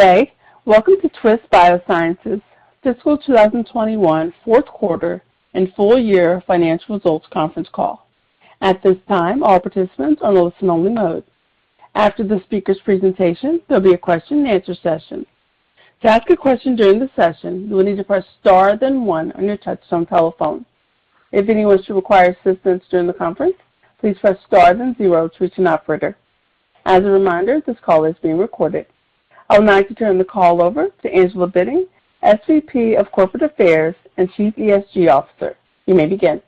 Good day. Welcome to Twist Bioscience's fiscal 2021 Q4 and full year financial results conference call. At this time, all participants are in listen only mode. After the speaker's presentation, there'll be a question and answer session. To ask a question during the session, you will need to press Star then one on your touchtone telephone. If anyone should require assistance during the conference, please press Star then zero to reach an operator. As a reminder, this call is being recorded. I would now like to turn the call over to Angela Bitting, SVP, Corporate Affairs and Chief ESG Officer. You may begin.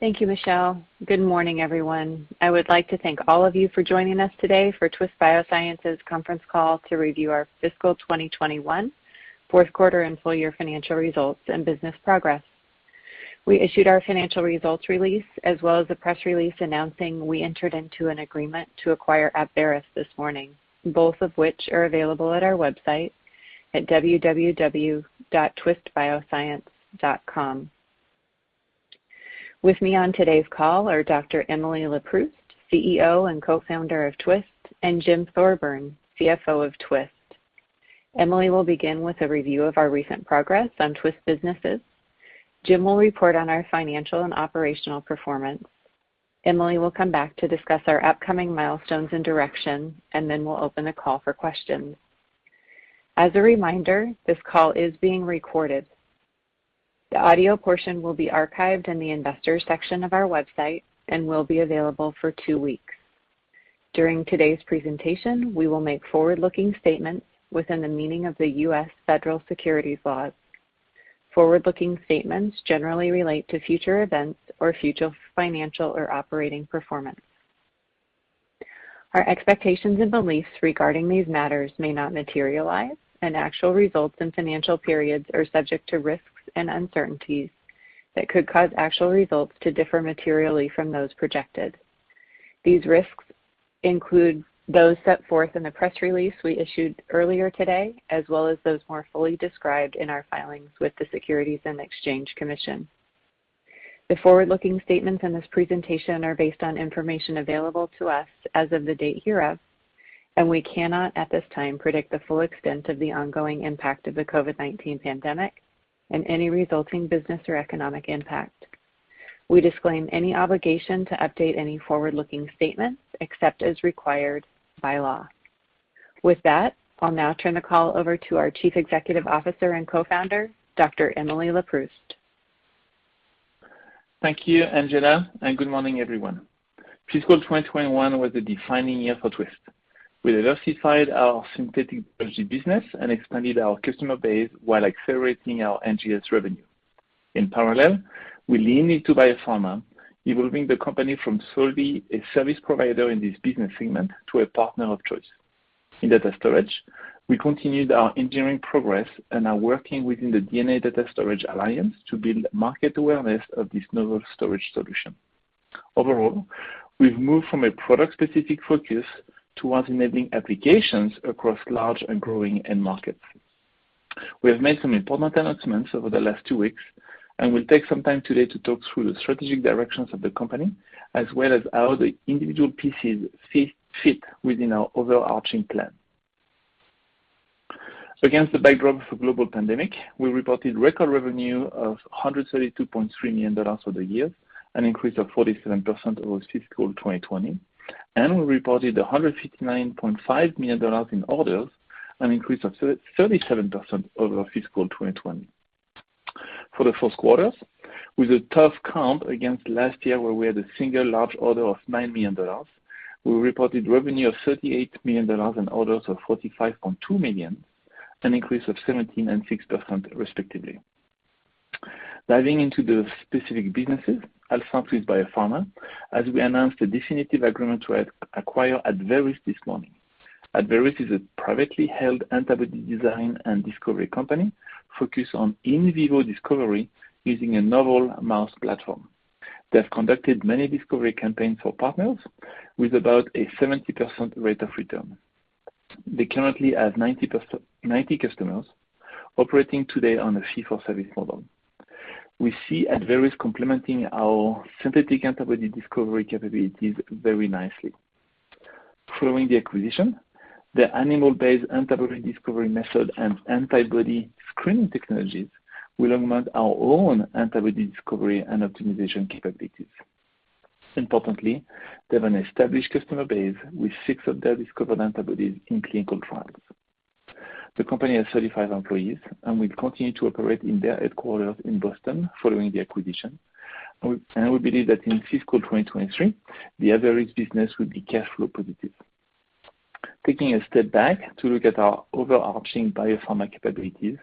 Thank you, Michelle. Good morning, everyone. I would like to thank all of you for joining us today for Twist Bioscience's conference call to review our fiscal 2021 Q4 and full year financial results and business progress. We issued our financial results release as well as the press release announcing we entered into an agreement to acquire Abveris this morning, both of which are available at our website at www.twistbioscience.com. With me on today's call are Dr. Emily LeProust, CEO and co-founder of Twist, and Jim Thorburn, CFO of Twist. Emily will begin with a review of our recent progress on Twist businesses. Jim will report on our financial and operational performance. Emily will come back to discuss our upcoming milestones and direction, and then we'll open the call for questions. As a reminder, this call is being recorded. The audio portion will be archived in the investors section of our website and will be available for two weeks. During today's presentation, we will make forward-looking statements within the meaning of the US federal securities laws. Forward-looking statements generally relate to future events or future financial or operating performance. Our expectations and beliefs regarding these matters may not materialize, and actual results and financial periods are subject to risks and uncertainties that could cause actual results to differ materially from those projected. These risks include those set forth in the press release we issued earlier today, as well as those more fully described in our filings with the Securities and Exchange Commission. The forward-looking statements in this presentation are based on information available to us as of the date hereof, and we cannot at this time predict the full extent of the ongoing impact of the COVID-19 pandemic and any resulting business or economic impact. We disclaim any obligation to update any forward-looking statements except as required by law. With that, I'll now turn the call over to our Chief Executive Officer and Co-founder, Dr. Emily Leproust. Thank you, Angela, and good morning, everyone. Fiscal 2021 was a defining year for Twist. We diversified our synthetic biology business and expanded our customer base while accelerating our NGS revenue. In parallel, we leaned into biopharma, evolving the company from solely a service provider in this business segment to a partner of choice. In data storage, we continued our engineering progress and are working within the DNA Data Storage Alliance to build market awareness of this novel storage solution. Overall, we've moved from a product-specific focus towards enabling applications across large and growing end markets. We have made some important announcements over the last two weeks, and we'll take some time today to talk through the strategic directions of the company, as well as how the individual pieces fit within our overarching plan. Against the backdrop of a global pandemic, we reported record revenue of $132.3 million for the year, an increase of 47% over fiscal 2020, and we reported $159.5 million in orders, an increase of 37% over fiscal 2020. For the Q1, with a tough comp against last year where we had a single large order of $9 million, we reported revenue of $38 million and orders of $45.2 million, an increase of 17% and 6% respectively. Diving into the specific businesses, I'll start with Biopharma as we announced a definitive agreement to acquire Abveris this morning. Abveris is a privately held antibody design and discovery company focused on in vivo discovery using a novel mouse platform. They have conducted many discovery campaigns for partners with about a 70% rate of return. They currently have 90 custom-90 customers operating today on a fee-for-service model. We see Abveris complementing our synthetic antibody discovery capabilities very nicely. Following the acquisition, their animal-based antibody discovery method and antibody screening technologies will augment our own antibody discovery and optimization capabilities. Importantly, they have an established customer base with 6 of their discovered antibodies in clinical trials. The company has 35 employees and will continue to operate in their headquarters in Boston following the acquisition. We believe that in fiscal 2023, the Abveris business will be cash flow positive. Taking a step back to look at our overarching biopharma capabilities,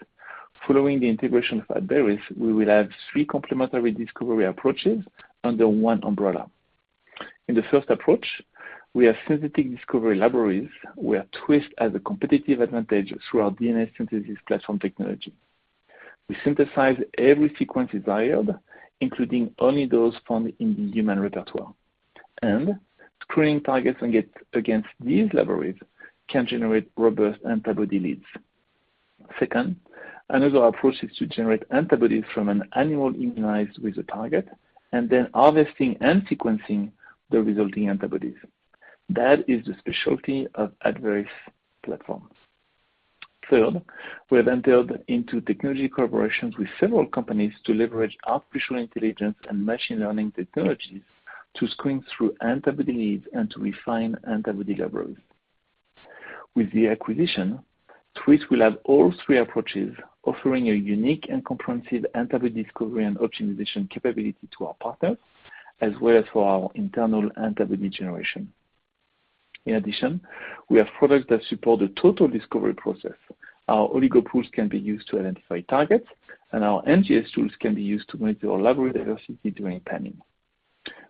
following the integration of Abveris, we will have three complementary discovery approaches under one umbrella. In the first approach, we have synthetic discovery libraries where Twist has a competitive advantage through our DNA synthesis platform technology. We synthesize every sequence desired, including only those found in the human repertoire. Screening targets against these libraries can generate robust antibody leads. Second, another approach is to generate antibodies from an animal immunized with a target and then harvesting and sequencing the resulting antibodies. That is the specialty of Abveris platforms. Third, we have entered into technology collaborations with several companies to leverage artificial intelligence and machine learning technologies to screen through antibody leads and to refine antibody libraries. With the acquisition, Twist will have all three approaches, offering a unique and comprehensive antibody discovery and optimization capability to our partners, as well as for our internal antibody generation. In addition, we have products that support the total discovery process. Our Oligo Pools can be used to identify targets, and our NGS tools can be used to measure library diversity during panning.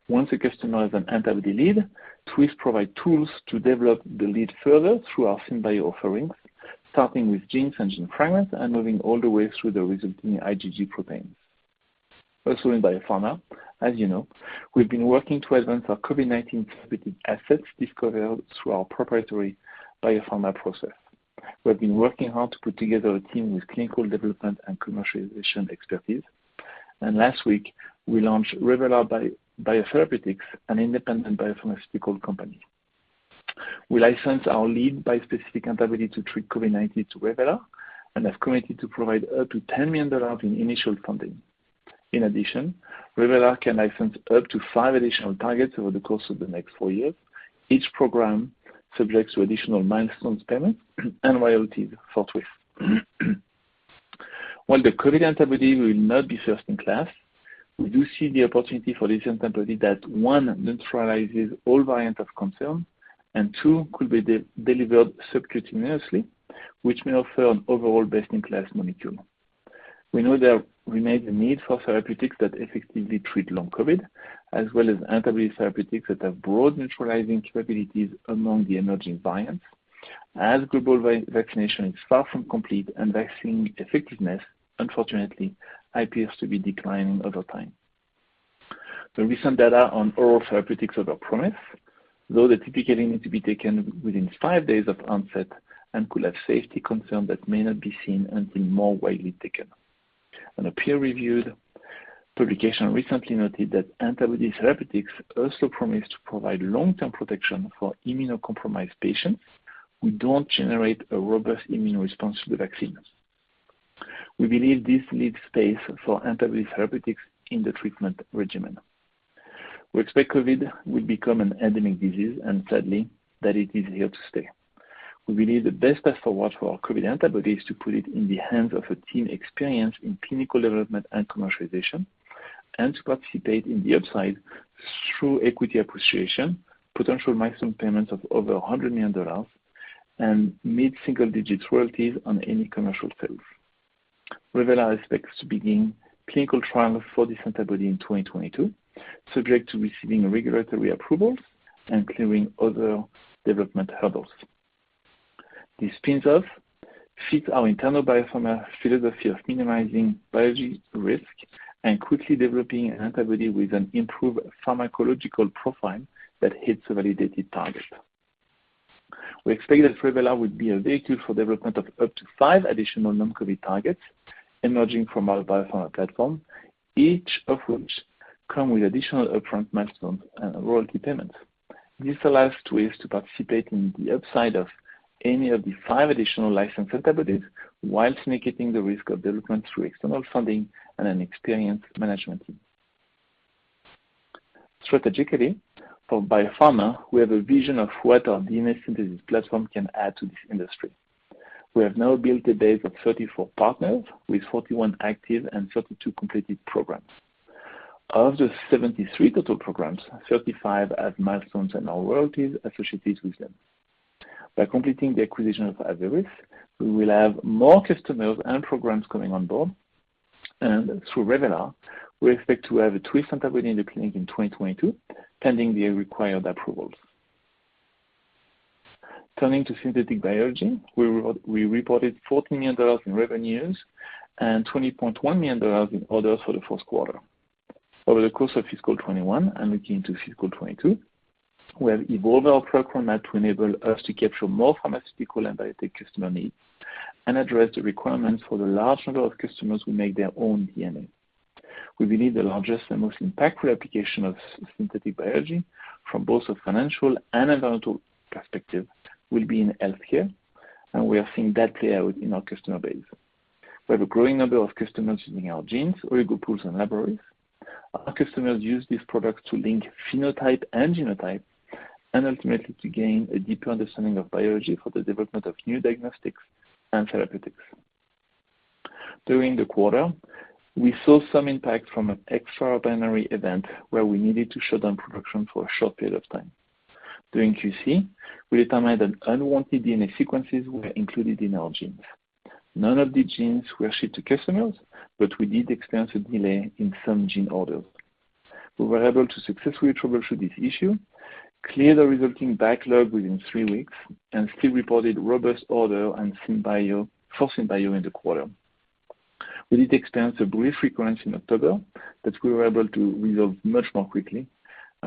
Once a customer has an antibody lead, Twist provide tools to develop the lead further through our SynBio offerings, starting with genes and gene fragments and moving all the way through the resulting IgG proteins. Also in biopharma, as you know, we've been working to advance our COVID-19 therapeutic assets discovered through our proprietary biopharma process. We have been working hard to put together a team with clinical development and commercialization expertise. Last week, we launched Revelar Biotherapeutics, an independent biopharmaceutical company. We licensed our lead bispecific antibody to treat COVID-19 to Revelar and have committed to provide up to $10 million in initial funding. In addition, Revelar can license up to five additional targets over the course of the next four years, each program subject to additional milestones, payments, and royalties for Twist. While the COVID antibody will not be first in class, we do see the opportunity for this antibody that, one, neutralizes all variants of concern, and two, could be delivered subcutaneously, which may offer an overall best-in-class molecule. We know there remains a need for therapeutics that effectively treat long COVID, as well as antibody therapeutics that have broad neutralizing capabilities among the emerging variants, as global vaccination is far from complete and vaccine effectiveness, unfortunately, appears to be declining over time. The recent data on oral therapeutics are promising, though they typically need to be taken within five days of onset and could have safety concerns that may not be seen until more widely taken. A peer-reviewed publication recently noted that antibody therapeutics also promise to provide long-term protection for immunocompromised patients who don't generate a robust immune response to the vaccine. We believe this leaves space for antibody therapeutics in the treatment regimen. We expect COVID will become an endemic disease and sadly, that it is here to stay. We believe the best path forward for our COVID antibody is to put it in the hands of a team experienced in clinical development and commercialization, and to participate in the upside through equity appreciation, potential milestone payments of over $100 million, and mid-single-digit royalties on any commercial sales. Revelar expects to begin clinical trials for this antibody in 2022, subject to receiving regulatory approvals and clearing other development hurdles. This spins off fits our internal biopharma philosophy of minimizing biology risk and quickly developing an antibody with an improved pharmacological profile that hits a validated target. We expect that Revelar will be a vehicle for development of up to 5 additional non-COVID targets emerging from our biopharma platform, each of which come with additional upfront milestones and royalty payments. This allows Twist to participate in the upside of any of the 5 additional licensed antibodies while mitigating the risk of development through external funding and an experienced management team. Strategically, for biopharma, we have a vision of what our DNA synthesis platform can add to this industry. We have now built a base of 34 partners with 41 active and 32 completed programs. Of the 73 total programs, 35 have milestones and/or royalties associated with them. By completing the acquisition of Abveris, we will have more customers and programs coming on board. Through Revelar, we expect to have a Twist antibody in the clinic in 2022, pending the required approvals. Turning to synthetic biology, we reported $14 million in revenues and $20.1 million in orders for the Q1. Over the course of fiscal 2021 and looking into fiscal 2022, we have evolved our platform map to enable us to capture more pharmaceutical and biotech customer needs and address the requirements for the large number of customers who make their own DNA. We believe the largest and most impactful application of synthetic biology from both a financial and environmental perspective will be in healthcare, and we are seeing that play out in our customer base. We have a growing number of customers using our genes, Oligo Pools, and libraries. Our customers use these products to link phenotype and genotype, and ultimately to gain a deeper understanding of biology for the development of new diagnostics and therapeutics. During the quarter, we saw some impact from an extraordinary event where we needed to shut down production for a short period of time. During QC, we determined that unwanted DNA sequences were included in our genes. None of these genes were shipped to customers, but we did experience a delay in some gene orders. We were able to successfully troubleshoot this issue, clear the resulting backlog within three weeks, and still reported robust orders for SynBio in the quarter. We then experienced a brief recurrence in October that we were able to resolve much more quickly.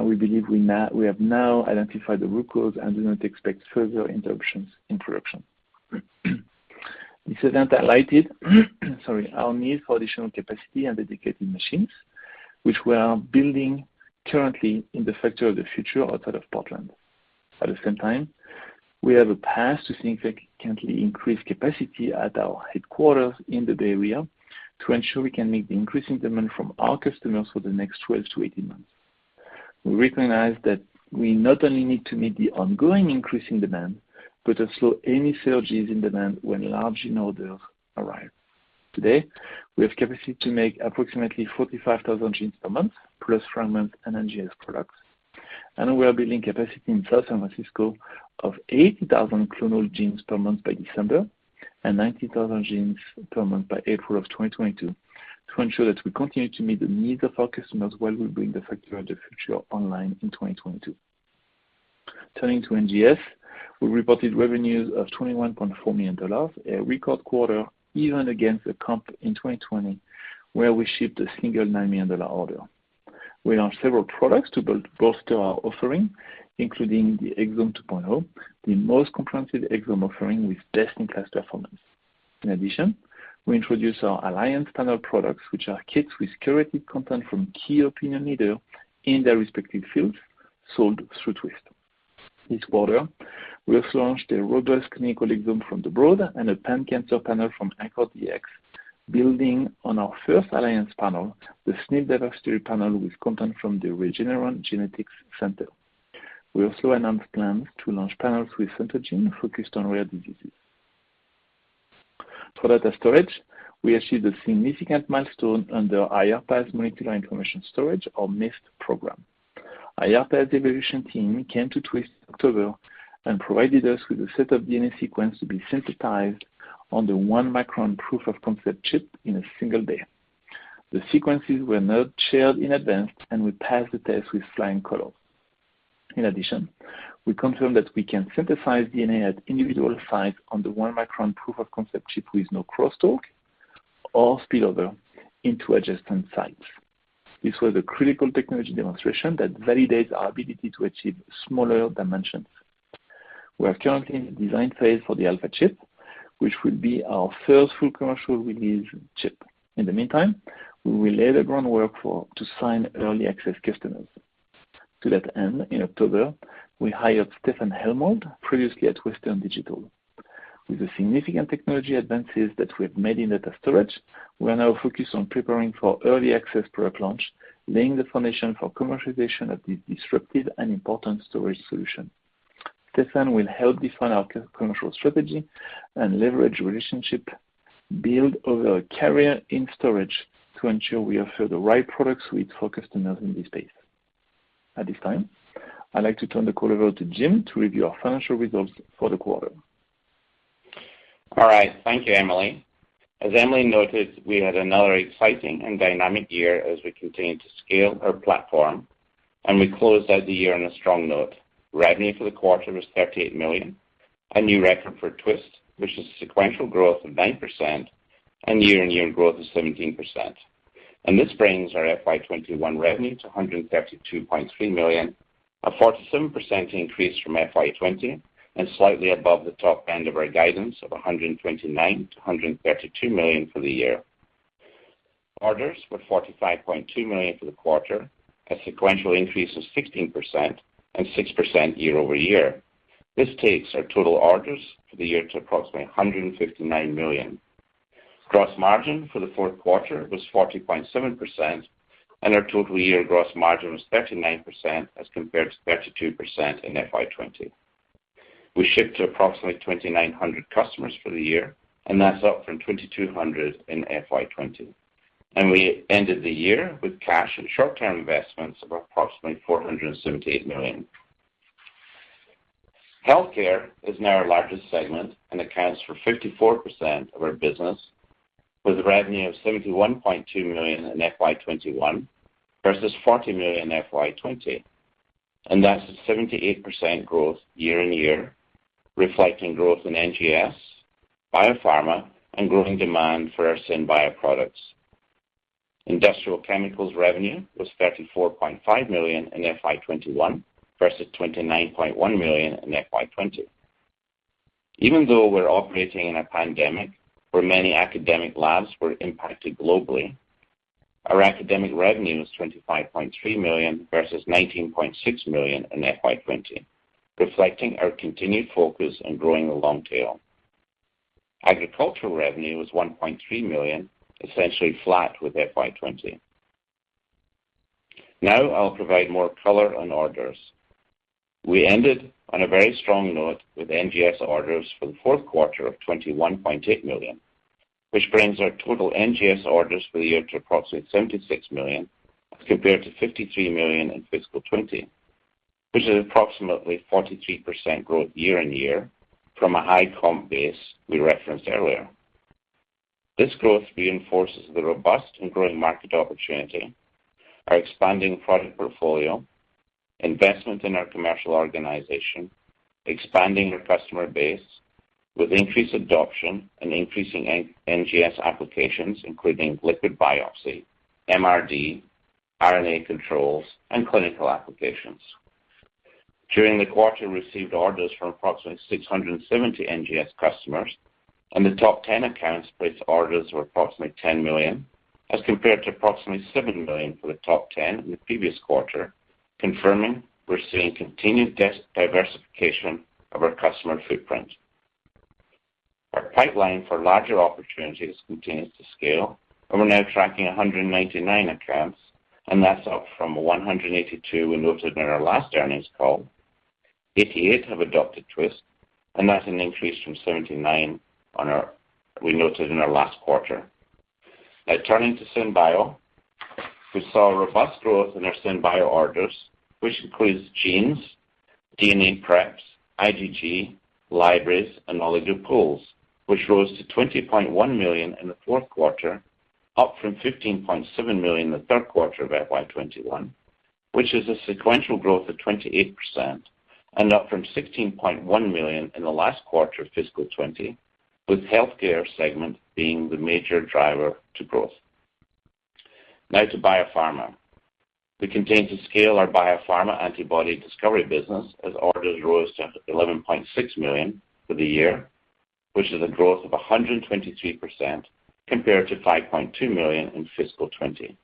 We believe we have now identified the root cause and do not expect further interruptions in production. This event highlighted, sorry, our need for additional capacity and dedicated machines, which we are building currently in the Factory of the Future outside of Portland. At the same time, we have a path to significantly increase capacity at our headquarters in the Bay Area to ensure we can meet the increasing demand from our customers for the next 12-18 months. We recognize that we not only need to meet the ongoing increasing demand, but also any surges in demand when large new orders arrive. Today, we have capacity to make approximately 45,000 genes per month, plus fragment and NGS products. We are building capacity in South San Francisco of 80,000 clonal genes per month by December and 90,000 genes per month by April of 2022 to ensure that we continue to meet the needs of our customers while we bring the Factory of the Future online in 2022. Turning to NGS, we reported revenues of $21.4 million, a record quarter even against the comp in 2020, where we shipped a single $9 million order. We launched several products to bolster our offering, including the Exome 2.0, the most comprehensive exome offering with best-in-class performance. In addition, we introduced our Alliance Panels products, which are kits with curated content from key opinion leader in their respective fields, sold through Twist. This quarter, we also launched a robust clinical exome from The Broad Institute and a pan-cancer panel from AnchorDx, building on our first Alliance Panels, the SNP Diversity Panel with content from the Regeneron Genetics Center. We also announced plans to launch panels with Centogene focused on rare diseases. For data storage, we achieved a significant milestone under IARPA Molecular Information Storage, or MIST, program. IARPA evaluation team came to Twist in October and provided us with a set of DNA sequences to be synthesized on the 1-micron proof-of-concept chip in a single day. The sequences were not shared in advance, and we passed the test with flying colors. In addition, we confirmed that we can synthesize DNA at individual sites on the 1-micron proof-of-concept chip with no crosstalk or spillover into adjacent sites. This was a critical technology demonstration that validates our ability to achieve smaller dimensions. We are currently in the design phase for the alpha chip, which will be our first full commercial release chip. In the meantime, we will lay the groundwork to sign early access customers. To that end, in October, we hired Steffen Hellmold, previously at Western Digital. With the significant technology advances that we have made in data storage, we are now focused on preparing for early access product launch, laying the foundation for commercialization of this disruptive and important storage solution. Steffen will help define our commercial strategy and leverage relationships built over a career in storage to ensure we offer the right product suite for customers in this space. At this time, I'd like to turn the call over to Jim to review our financial results for the quarter. All right. Thank you, Emily. As Emily noted, we had another exciting and dynamic year as we continued to scale our platform, and we closed out the year on a strong note. Revenue for the quarter was $38 million, a new record for Twist, which is a sequential growth of 9% and year-on-year growth of 17%. This brings our FY 2021 revenue to $132.3 million, a 47% increase from FY 2020 and slightly above the top end of our guidance of $129 million-$132 million for the year. Orders were $45.2 million for the quarter, a sequential increase of 16% and 6% year-over-year. This takes our total orders for the year to approximately $159 million. Gross margin for the Q4 was 40.7%, and our total year gross margin was 39% as compared to 32% in FY 2020. We shipped to approximately 2,900 customers for the year, and that's up from 2,200 in FY 2020. We ended the year with cash and short-term investments of approximately $478 million. Healthcare is now our largest segment and accounts for 54% of our business, with revenue of $71.2 million in FY 2021 versus $40 million in FY 2020. That's a 78% growth year-on-year, reflecting growth in NGS, biopharma, and growing demand for our SynBio products. Industrial chemicals revenue was $34.5 million in FY 2021 versus $29.1 million in FY 2020. Even though we're operating in a pandemic, where many academic labs were impacted globally, our academic revenue was $25.3 million versus $19.6 million in FY 2020, reflecting our continued focus on growing the long tail. Agricultural revenue was $1.3 million, essentially flat with FY 2020. Now I'll provide more color on orders. We ended on a very strong note with NGS orders for the Q4 of $21.8 million, which brings our total NGS orders for the year to approximately $76 million as compared to $53 million in fiscal 2020, which is approximately 43% growth year-on-year from a high comp base we referenced earlier. This growth reinforces the robust and growing market opportunity, our expanding product portfolio, investment in our commercial organization, expanding our customer base with increased adoption and increasing NGS applications, including liquid biopsy, MRD, RNA controls, and clinical applications. During the quarter, we received orders from approximately 670 NGS customers, and the top ten accounts placed orders of approximately $10 million, as compared to approximately $7 million for the top ten in the previous quarter, confirming we're seeing continued diversification of our customer footprint. Our pipeline for larger opportunities continues to scale, and we're now tracking 199 accounts, and that's up from 182 we noted in our last earnings call. 88 have adopted Twist, and that's an increase from 79 we noted in our last quarter. Now turning to SynBio. We saw robust growth in our SynBio orders, which includes genes, DNA preps, IgG, libraries, and Oligo Pools, which rose to $20.1 million in the Q4, up from $15.7 million in the third quarter of FY 2021, which is a sequential growth of 28% and up from $16.1 million in the last quarter of fiscal 2020, with healthcare segment being the major driver to growth. Now to Biopharma. We continue to scale our Biopharma antibody discovery business as orders rose to $11.6 million for the year, which is a growth of 123% compared to $5.2 million in fiscal 2020.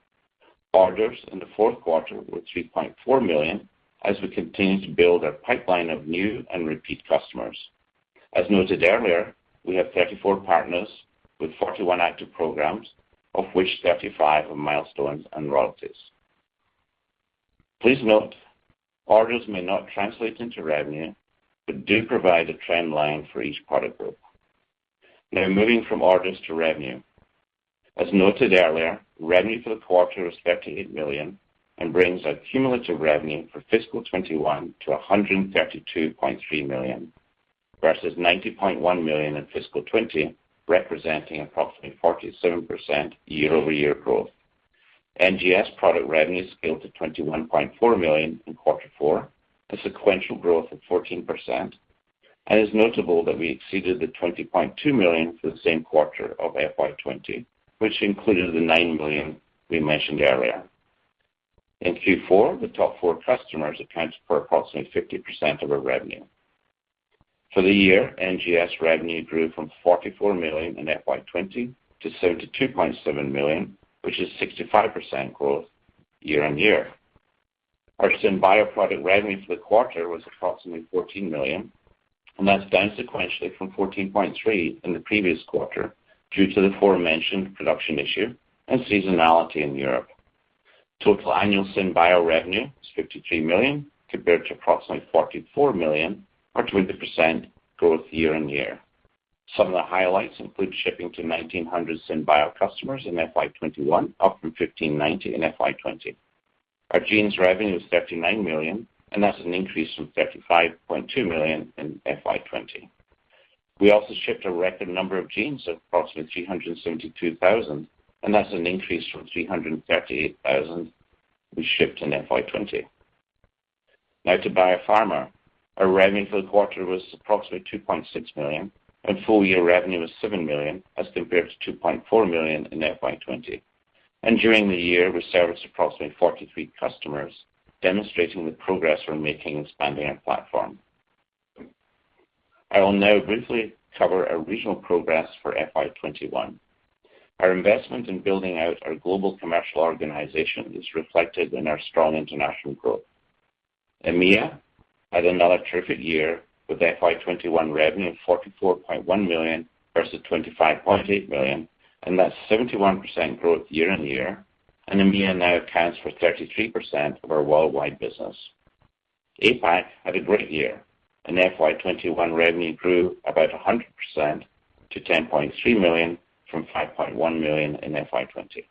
Orders in the Q4 were $3.4 million as we continue to build our pipeline of new and repeat customers. As noted earlier, we have 34 partners with 41 active programs, of which 35 are milestones and royalties. Please note, orders may not translate into revenue, but do provide a trend line for each product group. Now, moving from orders to revenue. As noted earlier, revenue for the quarter was $58 million and brings our cumulative revenue for FY 2021 to $132.3 million, versus $90.1 million in FY 2020, representing approximately 47% year-over-year growth. NGS product revenue scaled to $21.4 million in Q4, a sequential growth of 14%, and it's notable that we exceeded the $20.2 million for the same quarter of FY 2020, which included the $9 million we mentioned earlier. In Q4, the top four customers account for approximately 50% of our revenue. For the year, NGS revenue grew from $44 million in FY 2020 to $72.7 million, which is 65% growth year-on-year. Our SynBio product revenue for the quarter was approximately $14 million, and that's down sequentially from $14.3 million in the previous quarter due to the aforementioned production issue and seasonality in Europe. Total annual SynBio revenue is $53 million, compared to approximately $44 million or 20% growth year-over-year. Some of the highlights include shipping to 1,900 SynBio customers in FY 2021, up from 1,590 in FY 2020. Our genes revenue is $39 million, and that's an increase from $35.2 million in FY 2020. We also shipped a record number of genes of approximately 372,000, and that's an increase from 338,000 we shipped in FY 2020. Now to Biopharma. Our revenue for the quarter was approximately $2.6 million, and full year revenue was $7 million, as compared to $2.4 million in FY 2020. During the year, we serviced approximately 43 customers, demonstrating the progress we're making expanding our platform. I will now briefly cover our regional progress for FY 2021. Our investment in building out our global commercial organization is reflected in our strong international growth. EMEA had another terrific year with FY 2021 revenue of $44.1 million versus $25.8 million, and that's 71% growth year on year, and EMEA now accounts for 33% of our worldwide business. APAC had a great year, and FY 2021 revenue grew about 100% to $10.3 million from $5.1 million in FY 2020.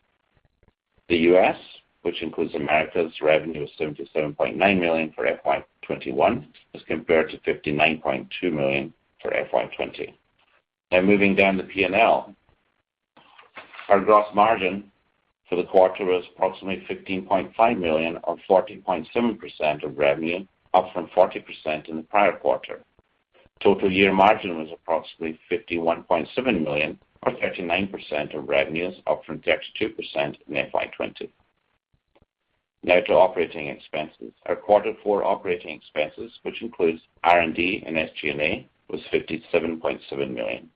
The US which includes America's revenue of $77.9 million for FY 2021, as compared to $59.2 million for FY 2020. Now moving down to P&L. Our gross margin for the quarter was approximately $15.5 million or 14.7% of revenue, up from 40% in the prior quarter. Total year margin was approximately $51.7 million or 39% of revenues, up from 32% in FY 2020. Now to operating expenses. Our Q4 operating expenses, which includes R&D and SG&A, was $57.7 million.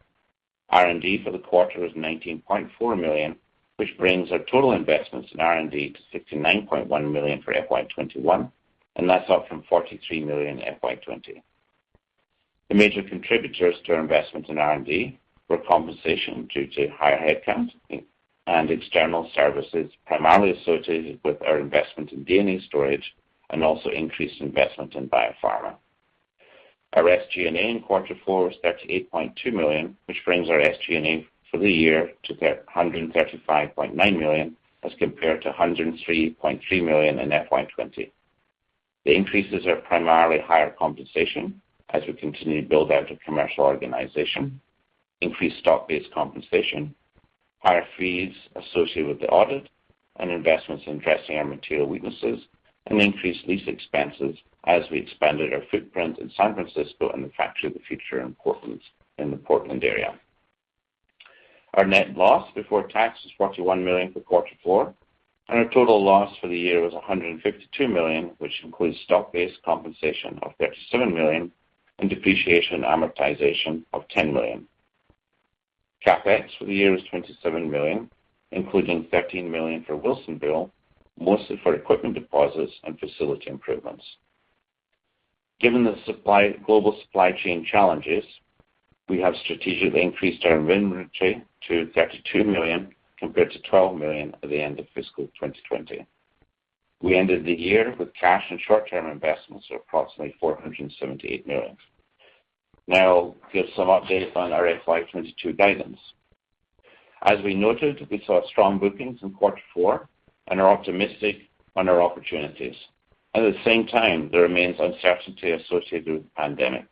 R&D for the quarter was $19.4 million, which brings our total investments in R&D to $69.1 million for FY 2021, and that's up from $43 million in FY 2020. The major contributors to our investment in R&D were compensation due to higher headcount and external services, primarily associated with our investment in DNA storage and also increased investment in biopharma. Our SG&A in Q4 was $38.2 million, which brings our SG&A for the year to $135.9 million as compared to $103.3 million in FY 2020. The increases are primarily higher compensation as we continue to build out a commercial organization, increased stock-based compensation. Higher fees associated with the audit and investments in addressing our material weaknesses and increased lease expenses as we expanded our footprint in San Francisco and the Factory of the Future in Portland, in the Portland area. Our net loss before tax was $41 million for Q4, and our total loss for the year was $152 million, which includes stock-based compensation of $37 million and depreciation and amortization of $10 million. CapEx for the year is $27 million, including $13 million for Wilsonville, mostly for equipment deposits and facility improvements. Given the global supply chain challenges, we have strategically increased our inventory to $32 million, compared to $12 million at the end of fiscal 2020. We ended the year with cash and short-term investments of approximately $478 million. Now I'll give some update on our FY 2022 guidance. As we noted, we saw strong bookings in Q4 and are optimistic on our opportunities. At the same time, there remains uncertainty associated with the pandemic.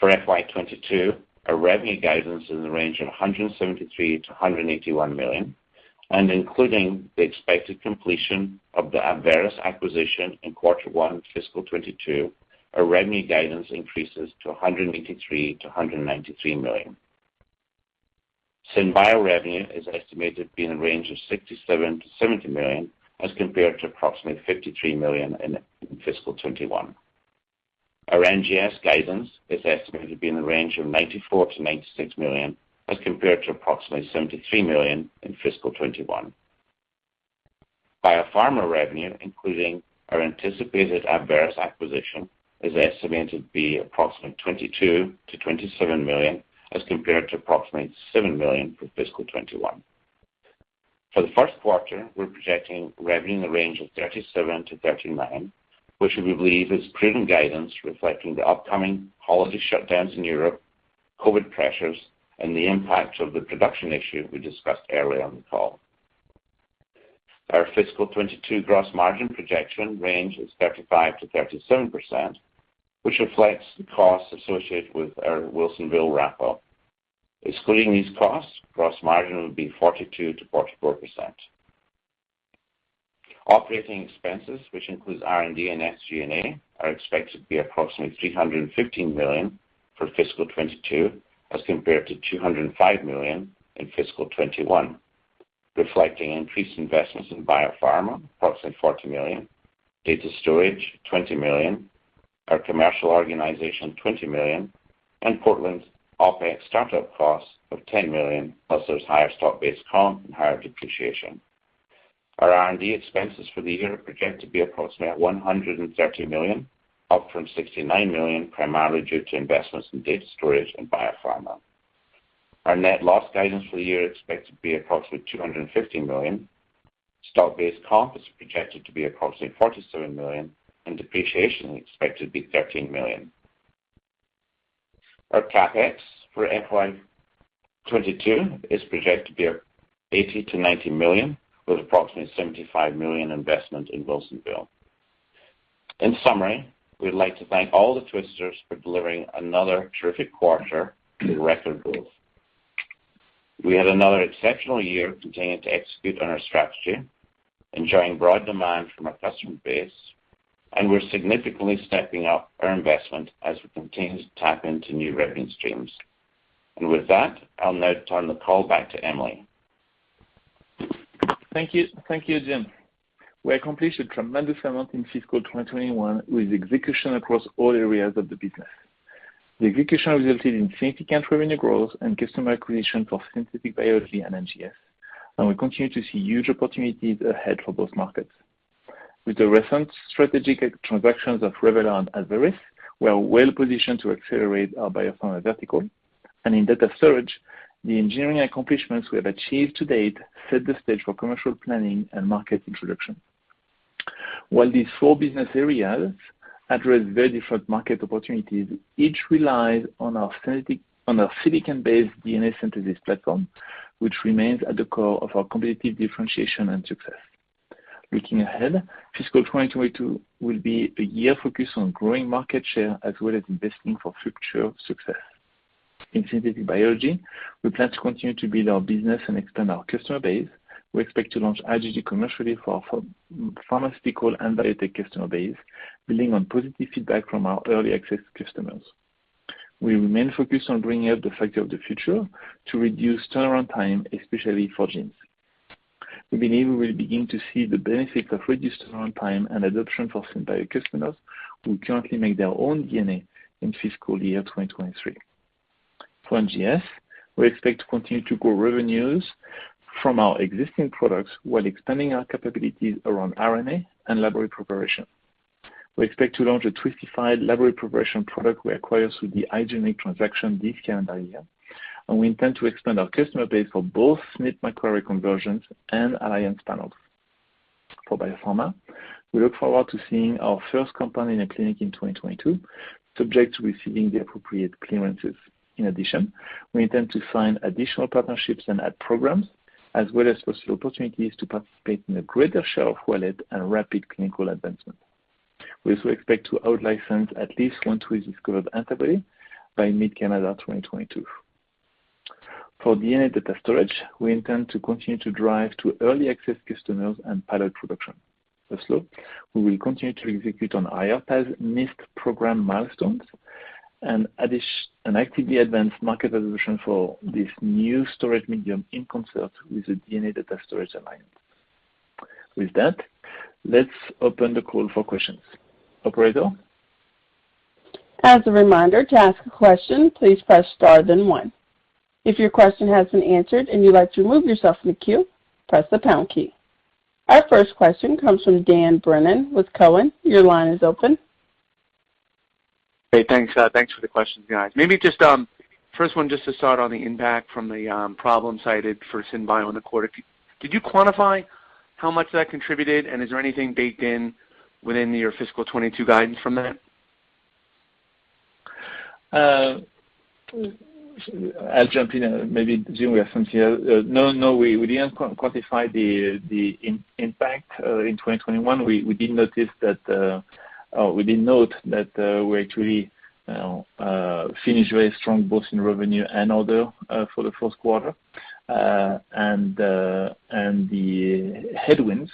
For FY 2022, our revenue guidance is in the range of $173 million-$181 million, and including the expected completion of the Abveris acquisition in quarter one fiscal 2022, our revenue guidance increases to $183 million-$193 million. SynBio revenue is estimated to be in a range of $67 million-$70 million, as compared to approximately $53 million in fiscal 2021. Our NGS guidance is estimated to be in the range of $94 million-$96 million, as compared to approximately $73 million in fiscal 2021. Biopharma revenue, including our anticipated Abveris acquisition, is estimated to be approximately $22 million-$27 million, as compared to approximately $7 million for fiscal 2021. For the Q1, we're projecting revenue in the range of $37 million-$39 million, which we believe is prudent guidance reflecting the upcoming holiday shutdowns in Europe, COVID pressures, and the impact of the production issue we discussed earlier on the call. Our fiscal 2022 gross margin projection range is 35%-37%, which reflects the costs associated with our Wilsonville ramp up. Excluding these costs, gross margin would be 42%-44%. Operating expenses, which includes R&D and SG&A, are expected to be approximately $315 million for fiscal 2022, as compared to $205 million in fiscal 2021, reflecting increased investments in biopharma, approximately $40 million, data storage, $20 million, our commercial organization, $20 million, and Portland's OpEx startup costs of $10 million, plus there's higher stock-based comp and higher depreciation. Our R&D expenses for the year are projected to be approximately $130 million, up from $69 million, primarily due to investments in data storage and biopharma. Our net loss guidance for the year is expected to be approximately $250 million. Stock-based comp is projected to be approximately $47 million, and depreciation is expected to be $13 million. Our CapEx for FY 2022 is projected to be $80 million-$90 million, with approximately $75 million investment in Wilsonville. In summary, we'd like to thank all the Twisters for delivering another terrific quarter with record growth. We had another exceptional year continuing to execute on our strategy, enjoying broad demand from our customer base, and we're significantly stepping up our investment as we continue to tap into new revenue streams. With that, I'll now turn the call back to Emily. Thank you. Thank you, Jim. We accomplished a tremendous amount in fiscal 2021 with execution across all areas of the business. The execution resulted in significant revenue growth and customer acquisition for synthetic biology and NGS, and we continue to see huge opportunities ahead for both markets. With the recent strategic transactions of Revelar and Abveris, we are well positioned to accelerate our biopharma vertical. In data storage, the engineering accomplishments we have achieved to date set the stage for commercial planning and market introduction. While these four business areas address very different market opportunities, each relies on our silicon-based DNA synthesis platform, which remains at the core of our competitive differentiation and success. Looking ahead, fiscal 2022 will be a year focused on growing market share as well as investing for future success. In synthetic biology, we plan to continue to build our business and expand our customer base. We expect to launch RGG commercially for our pharmaceutical and biotech customer base, building on positive feedback from our early access customers. We remain focused on bringing out the Factory of the Future to reduce turnaround time, especially for genes. We believe we will begin to see the benefits of reduced turnaround time and adoption for synbio customers who currently make their own DNA in fiscal year 2023. For NGS, we expect to continue to grow revenues from our existing products while expanding our capabilities around RNA and library preparation. We expect to launch a Twist-ified library preparation product we acquired through the iGenomX transaction this calendar year, and we intend to expand our customer base for both SNP Microarray array conversions and Alliance Panels. For biopharma, we look forward to seeing our first company in a clinic in 2022, subject to receiving the appropriate clearances. In addition, we intend to sign additional partnerships and add programs as well as pursue opportunities to participate in a greater share of wallet and rapid clinical advancement. We also expect to outlicense at least one Twist-discovered antibody by mid-calendar 2022. For DNA data storage, we intend to continue to drive to early access customers and pilot production. Also, we will continue to execute on IARPA's MIST program milestones and actively advance market evolution for this new storage medium in concert with the DNA Data Storage Alliance. With that, let's open the call for questions. Operator? Our first question comes from Dan Brennan with Cowen. Your line is open. Hey, thanks. Thanks for the questions, guys. Maybe just first one just to start on the impact from the problem cited for SynBio in the quarter. Did you quantify how much that contributed and is there anything baked in within your fiscal 2022 guidance from that? I'll jump in and maybe Jim will have something to add. We didn't quantify the impact in 2021. We did note that we actually, you know, finished very strong both in revenue and orders for the Q1. The headwinds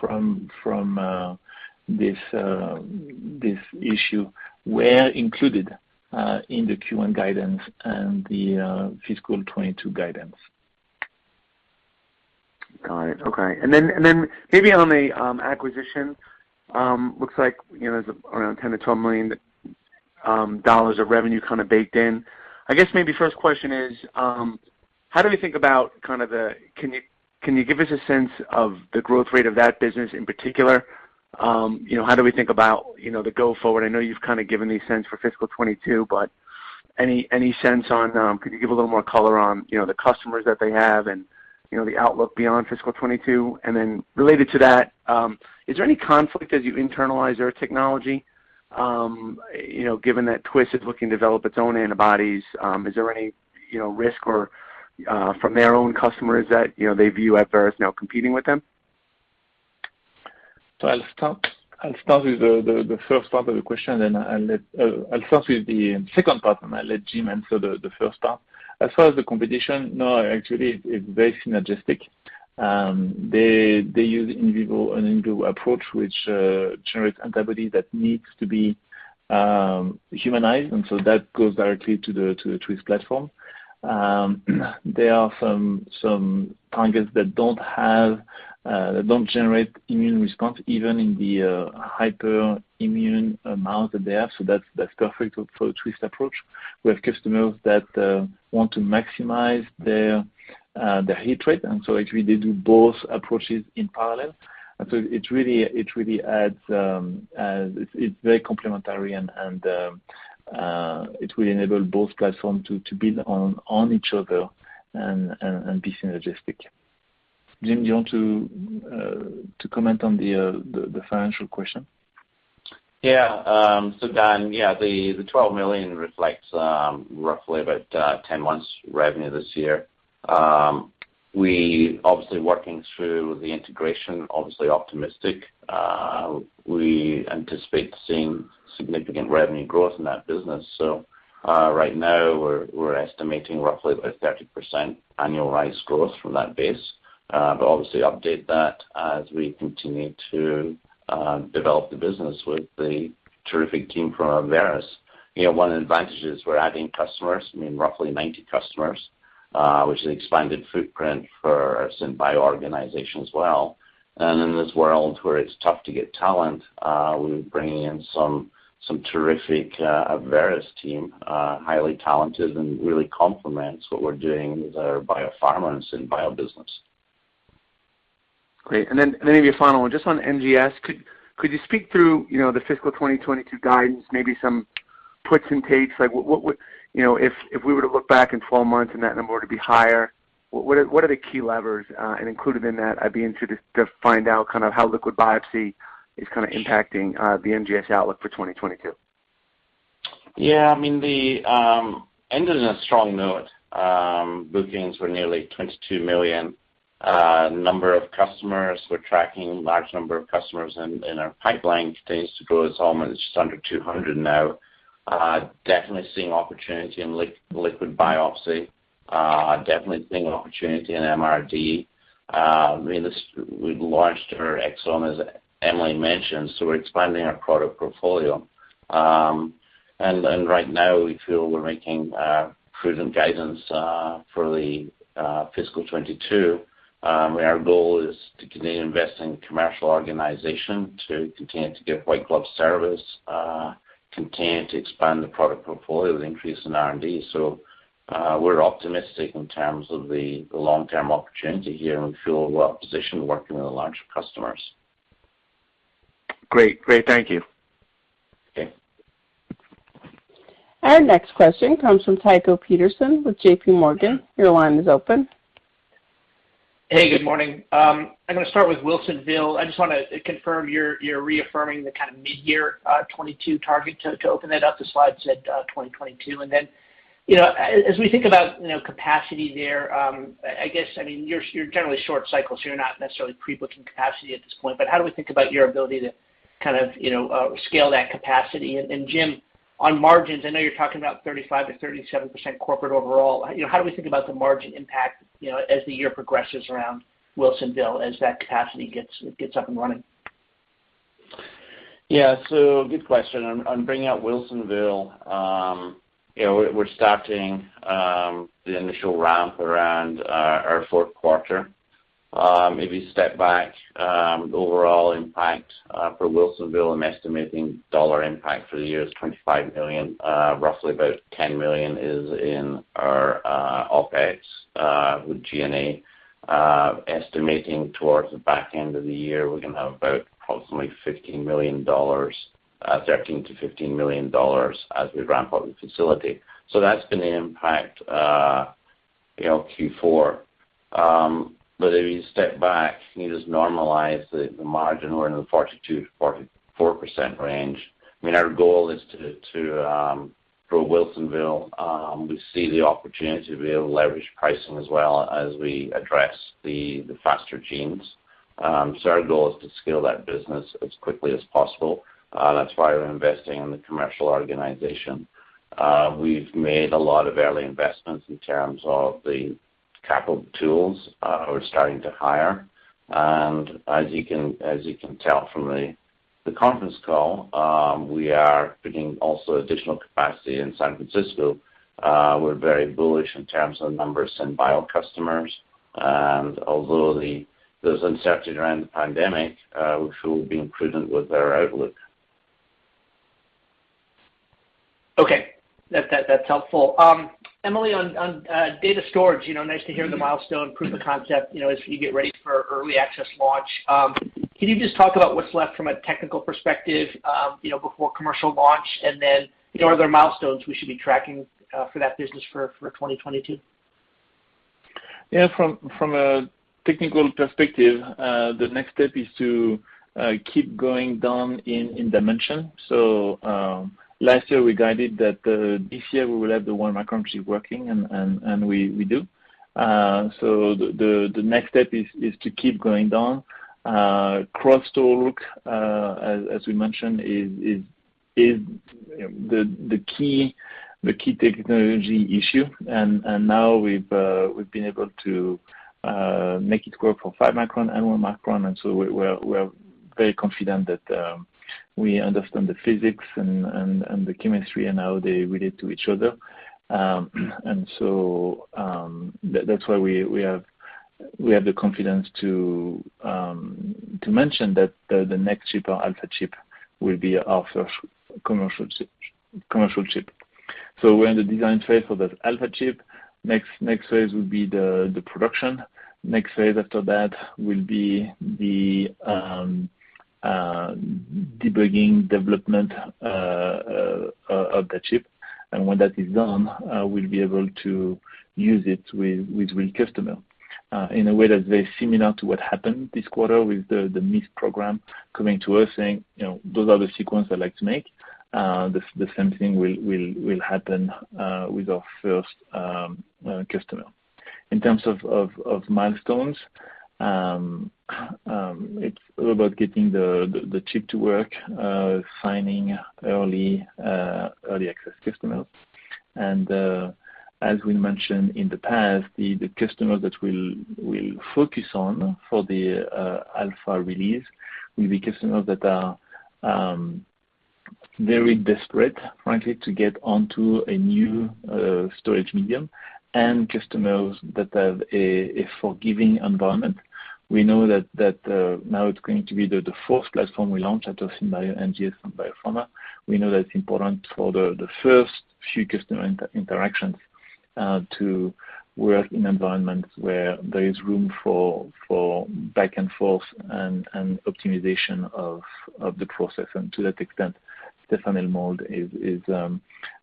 from this issue were included in the Q1 guidance and the fiscal 2022 guidance. Got it. Okay. Maybe on the acquisition, looks like, you know, there's around $10 million-$12 million of revenue baked in. I guess maybe first question is, can you give us a sense of the growth rate of that business in particular? You know, how do we think about, you know, the go forward? I know you've given the sense for fiscal 2022, but any sense on, could you give a little more color on, you know, the customers that they have and, you know, the outlook beyond fiscal 2022? Related to that, is there any conflict as you internalize their technology? You know, given that Twist is looking to develop its own antibodies, is there any, you know, risk or from their own customers that, you know, they view Abveris now competing with them? I'll start with the second part, and I'll let Jim answer the first part. As far as the competition, no, actually it's very synergistic. They use in vivo and in vitro approach which generates antibodies that needs to be humanized, and so that goes directly to the Twist platform. There are some targets that don't generate immune response even in the hyperimmune amount that they have, so that's perfect for Twist approach. We have customers that want to maximize their hit rate, and so actually they do both approaches in parallel. It really adds. It's very complementary and it will enable both platform to build on each other and be synergistic. Jim, do you want to comment on the financial question? Yeah. Dan, yeah, the $12 million reflects roughly about 10 months revenue this year. We're obviously working through the integration, obviously optimistic. We anticipate seeing significant revenue growth in that business. Right now we're estimating roughly about 30% annual revenue growth from that base. Obviously, we will update that as we continue to develop the business with the terrific team from Abveris. You know, one of the advantages, we're adding customers, I mean, roughly 90 customers, which is an expanded footprint for our SynBio organization as well. In this world where it's tough to get talent, we're bringing in some terrific Abveris team, highly talented and really complements what we're doing with our biopharma and SynBio business. Great. Maybe a final one. Just on NGS, could you speak through, you know, the fiscal 2022 guidance, maybe some puts and takes? Like what, you know, if we were to look back in 12 months and that number were to be higher, what are the key levers, and included in that, I'd be interested to find out how liquid biopsy is impacting the NGS outlook for 2022. Yeah. I mean, it ended in a strong note. Bookings were nearly $22 million. Number of customers, we're tracking large number of customers in our pipeline continues to grow. It's just under 200 now. Definitely seeing opportunity in liquid biopsy. Definitely seeing an opportunity in MRD. I mean, this, we launched our exome, as Emily mentioned, so we're expanding our product portfolio. And right now we feel we're making prudent guidance for the fiscal 2022. Our goal is to continue to invest in commercial organization, to continue to give white glove service, continue to expand the product portfolio with increase in R&D. We're optimistic in terms of the long-term opportunity here, and we feel well positioned working with our larger customers. Great. Thank you. Okay. Our next question comes from Tycho Peterson with J.P. Morgan. Your line is open. Hey, good morning. I'm gonna start with Wilsonville. I just wanna confirm you're reaffirming the midyear 2022 target. To open that up, the slide said 2022. You know, as we think about, you know, capacity there, I guess, I mean, you're generally short cycle, so you're not necessarily pre-booking capacity at this point. How do we think about your ability to you know, scale that capacity? Jim, on margins, I know you're talking about 35%-37% corporate overall. You know, how do we think about the margin impact, you know, as the year progresses around Wilsonville as that capacity gets up and running? Yeah. Good question. On bringing up Wilsonville, you know, we're starting the initial ramp around our Q4. If you step back, the overall impact for Wilsonville, I'm estimating dollar impact for the year is $25 million. Roughly about $10 million is in our OpEx with G&A. Estimating towards the back end of the year, we're gonna have about approximately $15 million, $13 million-$15 million as we ramp up the facility. That's gonna impact, you know, Q4. If you step back, you just normalize the margin, we're in the 42%-44% range. I mean, our goal is to for Wilsonville, we see the opportunity to be able to leverage pricing as well as we address the faster genes. Our goal is to scale that business as quickly as possible. That's why we're investing in the commercial organization. We've made a lot of early investments in terms of the capital tools. We're starting to hire. As you can tell from the conference call, we are putting also additional capacity in San Francisco. We're very bullish in terms of the numbers in bio customers, and although there's uncertainty around the pandemic, we should be prudent with our outlook. Okay. That's helpful. Emily, on data storage, you know, nice to hear the milestone proof of concept, you know, as you get ready for early access launch. Can you just talk about what's left from a technical perspective, you know, before commercial launch? You know, are there milestones we should be tracking for that business for 2022? Yeah. From a technical perspective, the next step is to keep going down in dimension. Last year, we guided that this year we will have the 1 micron chip working and we do. The next step is to keep going down. Crosstalk, as we mentioned, is, you know, the key technology issue. Now we've been able to make it work for 5 micron and 1 micron, and so we're very confident that we understand the physics and the chemistry and how they relate to each other. That's why we have the confidence to mention that the next chip, our alpha chip, will be our first commercial chip. We're in the design phase for that alpha chip. Next phase will be the production. Next phase after that will be the debugging development of the chip. When that is done, we'll be able to use it with real customer in a way that's very similar to what happened this quarter with the MIST program coming to us saying, you know, "Those are the sequence I'd like to make." The same thing will happen with our first customer. In terms of milestones, it's all about getting the chip to work, finding early access customers. As we mentioned in the past, the customers that we'll focus on for the alpha release will be customers that are very desperate, frankly, to get onto a new storage medium and customers that have a forgiving environment. We know that now it's going to be the fourth platform we launch after Synbio, NGS, and BioPharma. We know that's important for the first few customer interactions to work in environments where there is room for back and forth and optimization of the process. To that extent, Stéphane Haumond is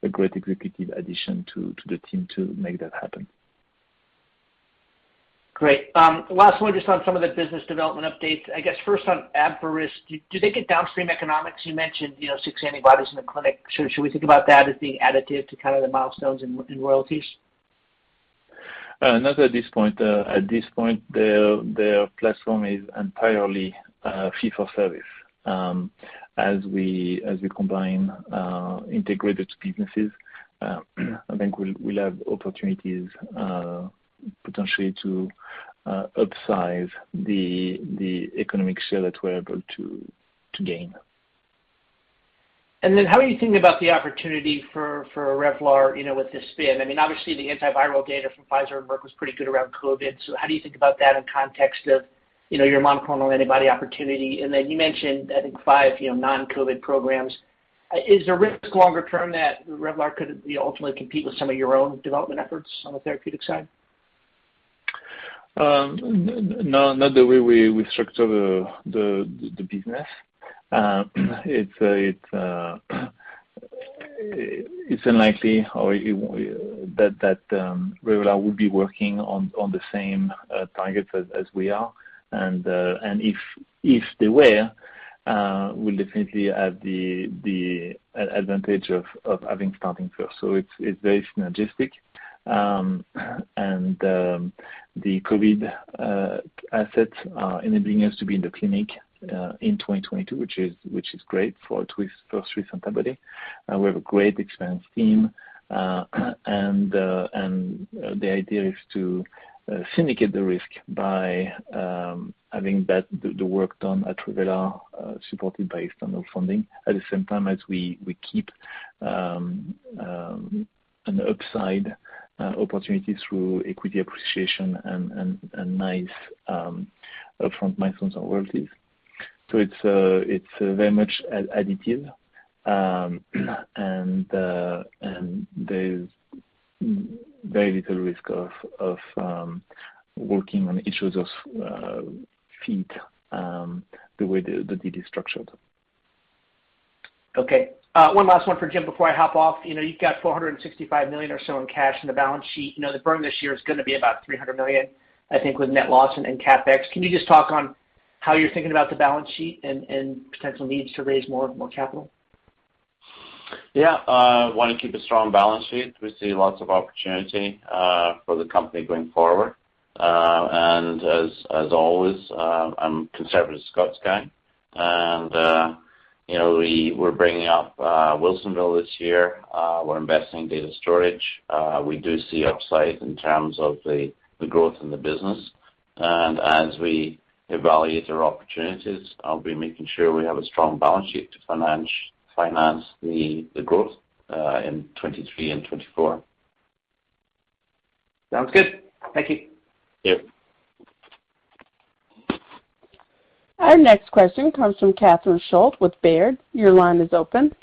a great executive addition to the team to make that happen. Great. Last one just on some of the business development updates. I guess first on Abveris. Do they get downstream economics? You mentioned, you know, 6 antibodies in the clinic. Should we think about that as being additive to the milestones in royalties? Not at this point. At this point, their platform is entirely fee for service. As we combine integrated businesses, I think we'll have opportunities potentially to upsize the economic share that we're able to gain. How are you thinking about the opportunity for Revelar, you know, with this spin? I mean, obviously the antiviral data from Pfizer and Merck was pretty good around COVID. How do you think about that in context of, you know, your monoclonal antibody opportunity? You mentioned, I think, five, you know, non-COVID programs. Is there risk longer term that Revelar could, you know, ultimately compete with some of your own development efforts on the therapeutic side? No, not the way we structure the business. It's unlikely that Revelar would be working on the same targets as we are. If they were, we'll definitely have the advantage of having started first. It's very synergistic. The COVID assets are enabling us to be in the clinic in 2022, which is great for Twist's first recent antibody. We have a great experienced team. The idea is to syndicate the risk by having the work done at Revelar, supported by external funding. At the same time as we keep an upside opportunity through equity appreciation and nice upfront milestones and royalties. It's very much additive. There's very little risk of working on issues of theft the way the deal is structured. Okay. One last one for Jim before I hop off. You know, you've got $465 million or so in cash in the balance sheet. You know, the burn this year is gonna be about $300 million, I think, with net loss and CapEx. Can you just talk on how you're thinking about the balance sheet and potential needs to raise more capital? Yeah. I wanna keep a strong balance sheet. We see lots of opportunity for the company going forward. As always, I'm conservative as Scott's guy. You know, we're bringing up Wilsonville this year. We're investing in data storage. We do see upside in terms of the growth in the business. As we evaluate our opportunities, I'll be making sure we have a strong balance sheet to finance the growth in 2023 and 2024. Sounds good. Thank you. Yep. Our next question comes from Catherine Schulte with Baird. Your line is open.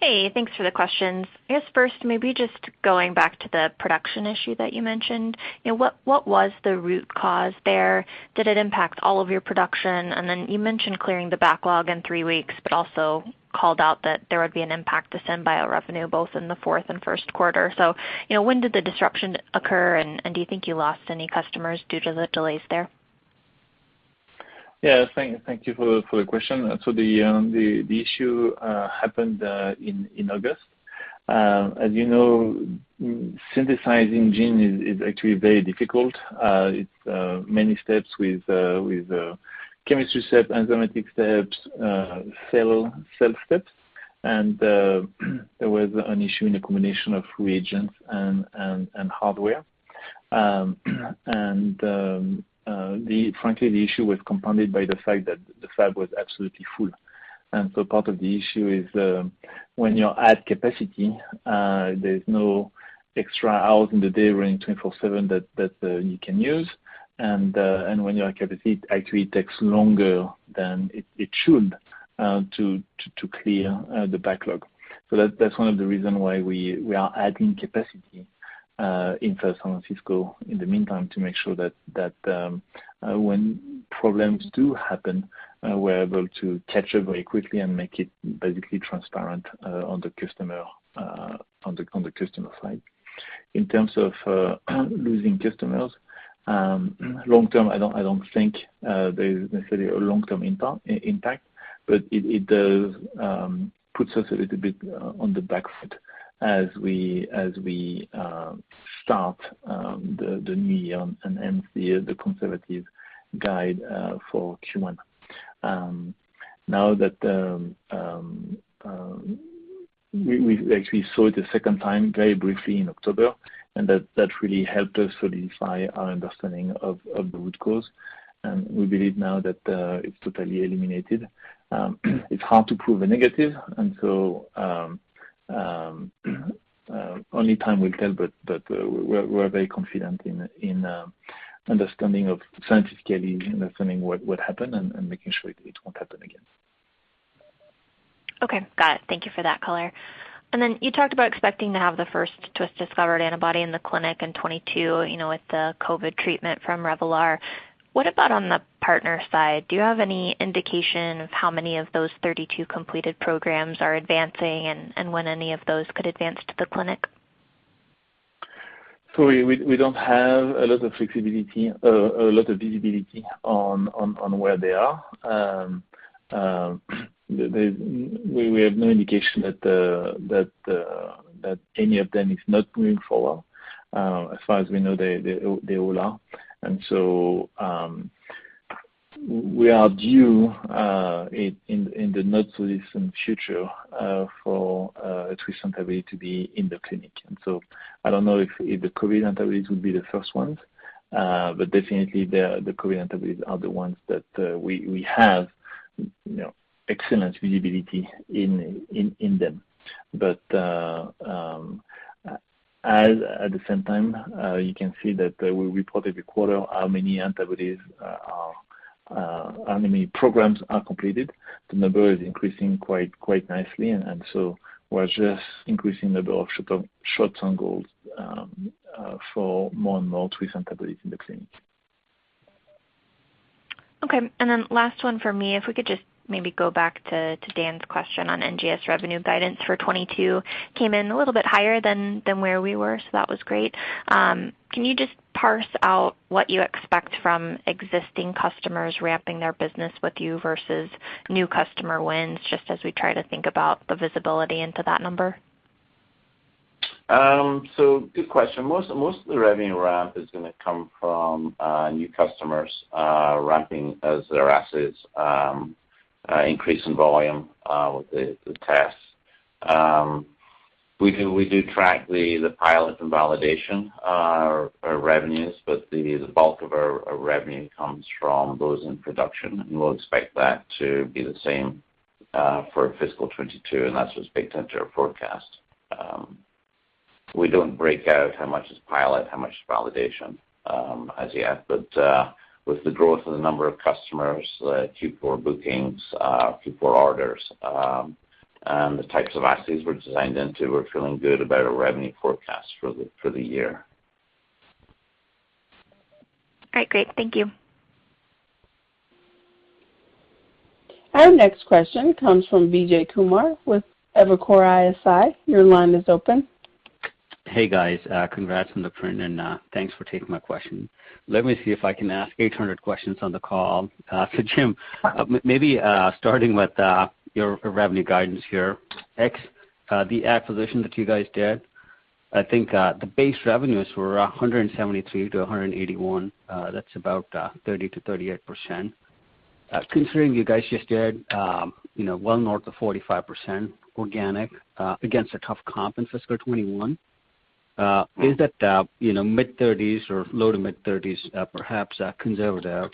Hey, thanks for the questions. I guess first, maybe just going back to the production issue that you mentioned. You know, what was the root cause there? Did it impact all of your production? You mentioned clearing the backlog in three weeks, but also called out that there would be an impact to SynBio revenue both in the fourth and Q1. You know, when did the disruption occur? Do you think you lost any customers due to the delays there? Thank you for the question. The issue happened in August. As you know, synthesizing gene is actually very difficult. It's many steps with chemistry steps, enzymatic steps, cell steps. There was an issue in a combination of reagents and hardware. Frankly, the issue was compounded by the fact that the fab was absolutely full. Part of the issue is, when you're at capacity, there's no extra hours in the day running 24/7 that you can use. When you're at capacity, it actually takes longer than it should to clear the backlog. That's one of the reason why we are adding capacity in San Francisco in the meantime to make sure that when problems do happen, we're able to catch it very quickly and make it basically transparent on the customer side. In terms of losing customers long term, I don't think there is necessarily a long-term impact, but it puts us a little bit on the back foot as we start the new year and the conservative guide for Q1. Now that we actually saw it a second time very briefly in October, and that really helped us solidify our understanding of the root cause. We believe now that it's totally eliminated. It's hard to prove a negative and so only time will tell, but we're very confident in scientific understanding of what happened and making sure it won't happen again. Okay. Got it. Thank you for that color. You talked about expecting to have the first Twist-discovered antibody in the clinic in 2022, you know, with the COVID treatment from Revelar. What about on the partner side? Do you have any indication of how many of those 32 completed programs are advancing and when any of those could advance to the clinic? We don't have a lot of visibility on where they are. We have no indication that any of them is not moving forward. As far as we know, they all are. We are due in the not-so-distant future for a Twist antibody to be in the clinic. I don't know if the COVID antibodies will be the first ones, but definitely the COVID antibodies are the ones that we have, you know, excellent visibility in them. At the same time, you can see that we reported every quarter how many antibodies are, how many programs are completed. The number is increasing quite nicely. We're just increasing the number of shots on goals for more and more Twist antibodies in the clinic. Okay. Last one for me. If we could just maybe go back to Dan's question on NGS revenue guidance for 2022. Came in a little bit higher than where we were, so that was great. Can you just parse out what you expect from existing customers ramping their business with you versus new customer wins, just as we try to think about the visibility into that number? Good question. Most of the revenue ramp is going to come from new customers ramping as their assets increase in volume with the tests. We do track the pilot and validation our revenues, but the bulk of our revenue comes from those in production, and we'll expect that to be the same for fiscal 2022, and that's what's baked into our forecast. We don't break out how much is pilot, how much is validation, as yet. With the growth of the number of customers, the Q4 bookings, Q4 orders, and the types of assets we're designed into, we're feeling good about our revenue forecast for the year. All right, great. Thank you. Our next question comes from Vijay Kumar with Evercore ISI. Your line is open. Hey, guys. Congrats on the print, and thanks for taking my question. Let me see if I can ask 800 questions on the call. Jim, maybe starting with your revenue guidance here. Excluding the acquisition that you guys did, I think the base revenues were $173-$181. That's about 30%-38%. Considering you guys just did, you know, well north of 45% organic against a tough comp in fiscal 2021, is that, you know, mid-thirties or low-to-mid thirties perhaps conservative?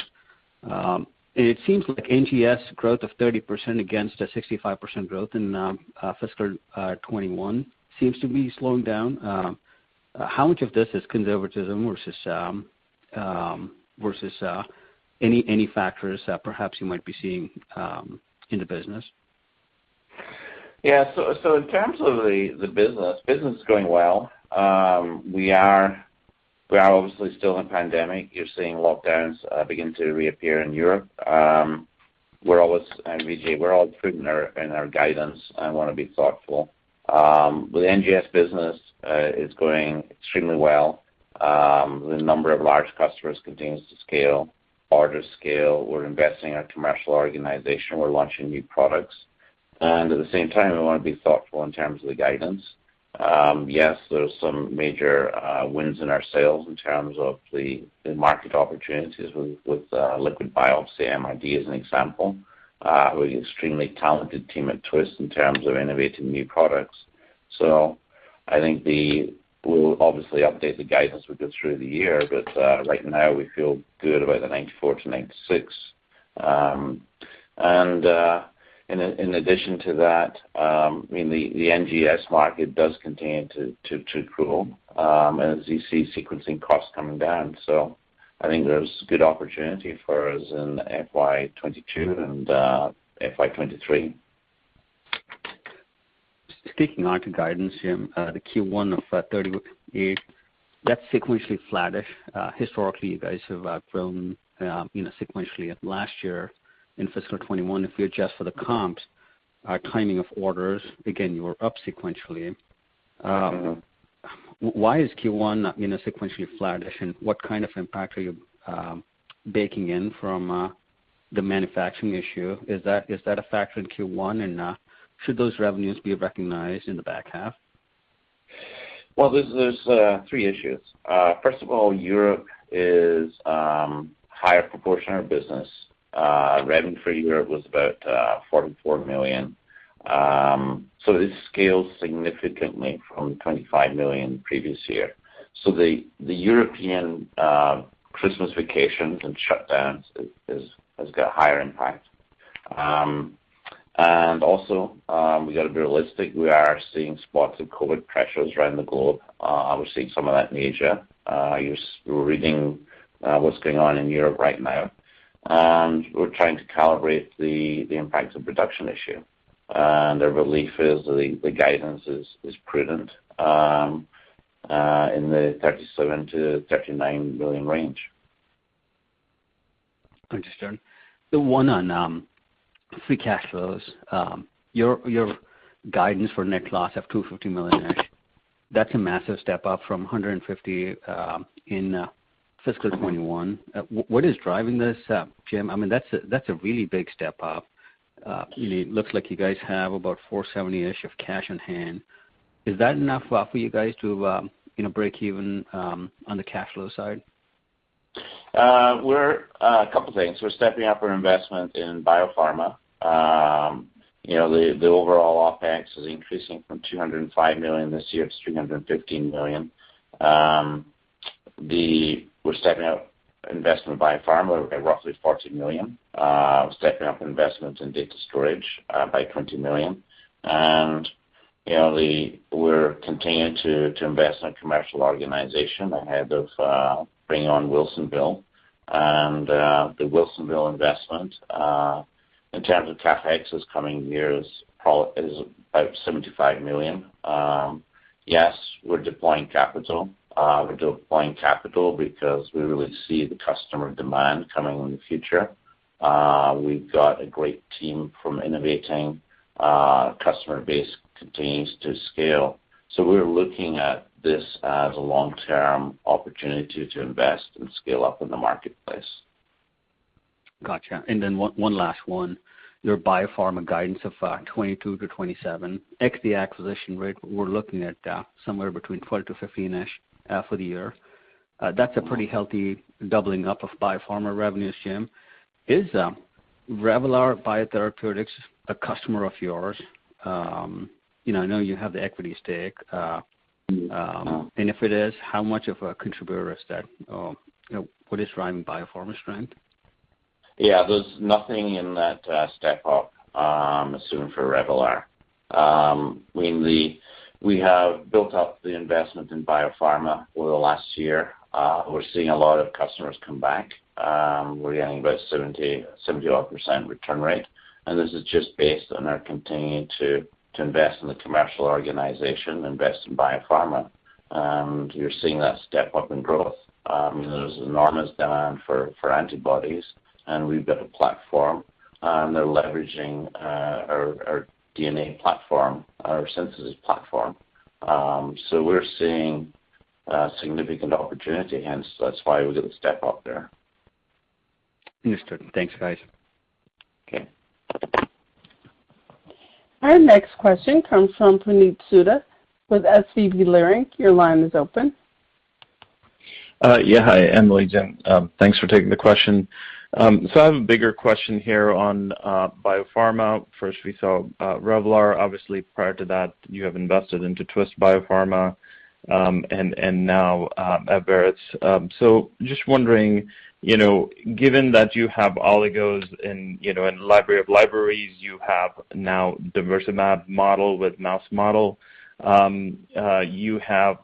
It seems like NGS growth of 30% against a 65% growth in fiscal 2021 seems to be slowing down. How much of this is conservatism versus any factors that perhaps you might be seeing in the business? In terms of the business, the business is going well. We are obviously still in pandemic. You're seeing lockdowns begin to reappear in Europe. We're always and Vijay, we're always prudent in our guidance and want to be thoughtful. The NGS business is going extremely well. The number of large customers continues to scale, order scale. We're investing in our commercial organization. We're launching new products. At the same time, we want to be thoughtful in terms of the guidance. Yes, there's some major wins in our sales in terms of the market opportunities with liquid biopsy, MRD as an example. We have an extremely talented team at Twist in terms of innovating new products. I think we'll obviously update the guidance as we go through the year, but right now we feel good about the $94-$96. In addition to that, I mean, the NGS market does continue to grow, and as you see sequencing costs coming down. I think there's good opportunity for us in FY 2022 and FY 2023. Sticking on to guidance, Jim, the Q1 of $38, that's sequentially flattish. Historically, you guys have grown, you know, sequentially last year in fiscal 2021. If you adjust for the comps, timing of orders, again, you were up sequentially. Why is Q1, you know, sequentially flattish, and whatimpact are you baking in from the manufacturing issue? Is that a factor in Q1, and should those revenues be recognized in the back half? Well, there are three issues. First of all, Europe is higher proportion of our business. Revenue for Europe was about $44 million. This scales significantly from $25 million the previous year. The European Christmas vacations and shutdowns has got a higher impact. And also, we've got to be realistic. We are seeing spots of COVID pressures around the globe. We're seeing some of that in Asia. You're reading what's going on in Europe right now. We're trying to calibrate the impact of production issue. The relief is the guidance is prudent in the $37 million-$39 million range. Understood. The one on free cash flows. Your guidance for net loss of $250 million, that's a massive step up from $150 million in fiscal 2021. What is driving this, Jim? I mean, that's a really big step up. It looks like you guys have about $470 million of cash on hand. Is that enough for you guys to break even on the cash flow side? A couple things. We're stepping up our investment in biopharma. You know, the overall OpEx is increasing from $205 million this year to $315 million. We're stepping up investment in biopharma by roughly $40 million. We're stepping up investments in data storage by $20 million. You know, we're continuing to invest in a commercial organization ahead of bringing on Wilsonville. The Wilsonville investment in terms of CapEx this coming year is probably about $75 million. Yes, we're deploying capital. We're deploying capital because we really see the customer demand coming in the future. We've got a great team from innovating. Customer base continues to scale. We're looking at this as a long-term opportunity to invest and scale up in the marketplace. Gotcha. Then one last one. Your biopharma guidance of $22-$27, ex the acquisition rate, we're looking at somewhere between $12-$15-ish for the year. That's a pretty healthy doubling up of biopharma revenues, Jim. Is Revelar Biotherapeutics a customer of yours? You know, I know you have the equity stake. If it is, how much of a contributor is that, you know, for this driving biopharma strength? Yeah. There's nothing in that step up assumed for Revelar. Mainly we have built up the investment in biopharma over the last year. We're seeing a lot of customers come back. We're getting about 70-odd% return rate, and this is just based on our continuing to invest in the commercial organization, invest in biopharma. You're seeing that step up in growth. There's enormous demand for antibodies, and we've got a platform, and they're leveraging our DNA platform, our synthesis platform. So we're seeing a significant opportunity, hence that's why we did a step up there. Understood. Thanks, guys. Okay. Our next question comes from Puneet Souda with SVB Leerink. Your line is open. Yeah. Hi, Emily, Jim. Thanks for taking the question. I have a bigger question here on biopharma. First, we saw Revelar. Obviously, prior to that, you have invested into Twist Biopharma, and now Abveris. Just wondering, you know, given that you have oligos and, you know, and library of libraries, you have now DiversimAb model with mouse model. You have,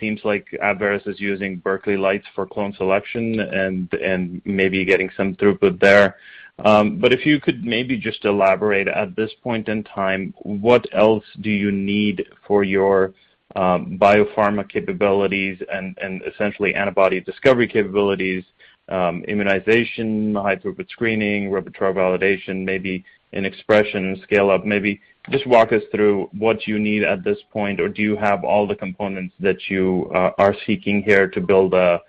seems like Abveris is using Berkeley Lights for clone selection and maybe getting some throughput there. If you could maybe just elaborate at this point in time, what else do you need for your biopharma capabilities and essentially antibody discovery capabilities, immunization, high throughput screening, repertoire validation, maybe an expression and scale-up. Maybe just walk us through what you need at this point, or do you have all the components that you are seeking here to build a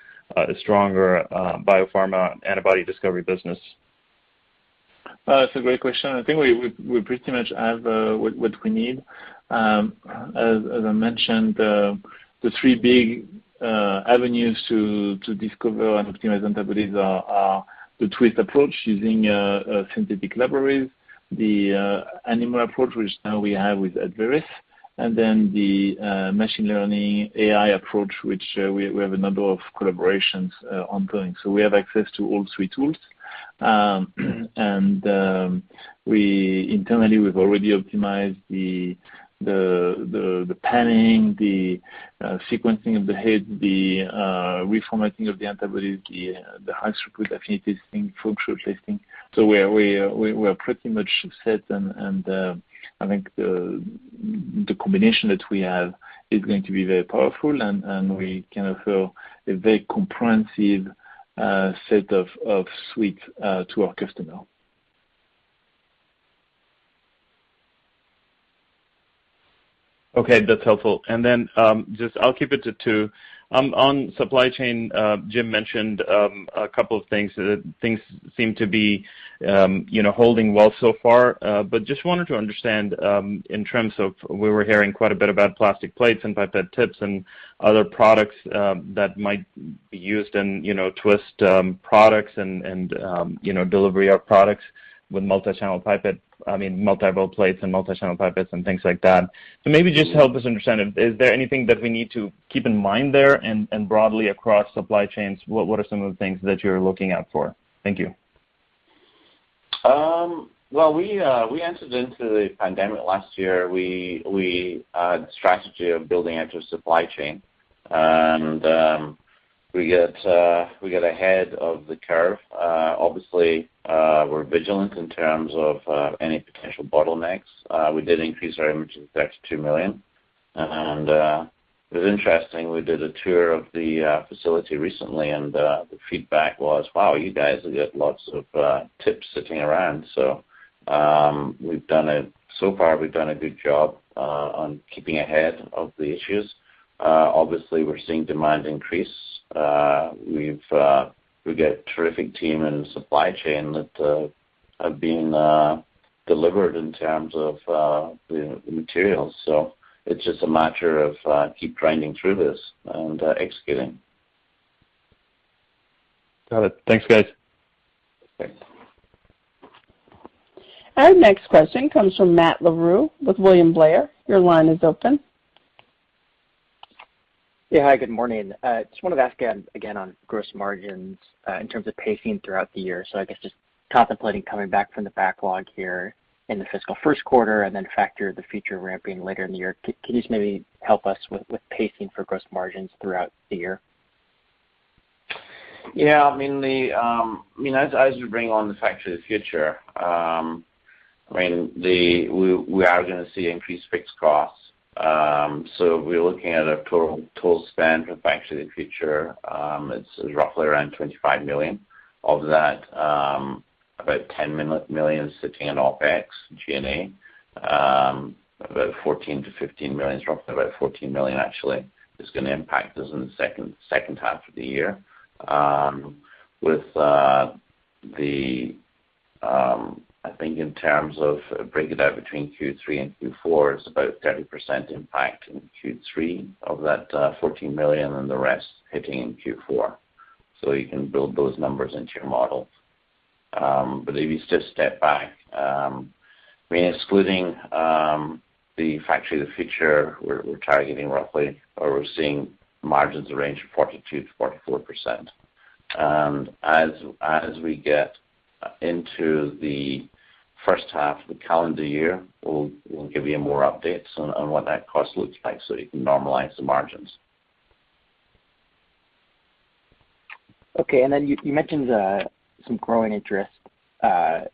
stronger biopharma antibody discovery business? It's a great question. I think we pretty much have what we need. As I mentioned, the three big avenues to discover and optimize antibodies are the Twist approach using a synthetic libraries, the animal approach which now we have with Abveris, and then the machine learning AI approach, which we have a number of collaborations ongoing. So we have access to all three tools. We internally, we've already optimized the panning, the sequencing of the hit, the reformatting of the antibodies, the high throughput affinity thing, functional testing. We are pretty much set and I think the combination that we have is going to be very powerful, and we can offer a very comprehensive set of suite to our customer. Okay, that's helpful. Just I'll keep it to two. On supply chain, Jim mentioned a couple of things. Things seem to be, you know, holding well so far. But just wanted to understand, in terms of we were hearing quite a bit about plastic plates and pipette tips and other products, that might be used in, you know, Twist, products and, you know, delivery of products with multi-channel pipette. I mean, multi-well plates and multi-channel pipettes and things like that. Maybe just help us understand, is there anything that we need to keep in mind there? And broadly across supply chains, what are some of the things that you're looking out for? Thank you. Well, we entered into the pandemic last year. We had a strategy of building out your supply chain. We got ahead of the curve. Obviously, we're vigilant in terms of any potential bottlenecks. We did increase our inventory to $32 million. It was interesting. We did a tour of the facility recently, and the feedback was, "Wow, you guys have got lots of tips sitting around." So far, we've done a good job on keeping ahead of the issues. Obviously, we're seeing demand increase. We've got a terrific team and supply chain that have been delivered in terms of the materials. It's just a matter of keep grinding through this and executing. Got it. Thanks, guys. Thanks. Our next question comes from Matt Larew with William Blair. Your line is open. Hi, good morning. Just wanted to ask again on gross margins in terms of pacing throughout the year. I guess just contemplating coming back from the backlog here in the fiscal Q1 and then Factory of the Future ramping later in the year. Can you just maybe help us with pacing for gross margins throughout the year? Yeah. I mean, as you bring on the Factory of the Future, I mean, we are gonna see increased fixed costs. So we're looking at a total spend for Factory of the Future, it's roughly around $25 million. Of that, about $10 million sitting in OpEx, G&A. About $14 million-$15 million, it's roughly about $14 million actually is gonna impact us in the second half of the year. I think in terms of break it out between Q3 and Q4, it's about 30% impact in Q3 of that $14 million and the rest hitting in Q4. So you can build those numbers into your model. If you just step back, I mean, excluding the Factory of the Future, we're targeting roughly or we're seeing margins range of 42%-44%. As we get into the first half of the calendar year, we'll give you more updates on what that cost looks like so you can normalize the margins. Okay. And then you mentioned some growing interest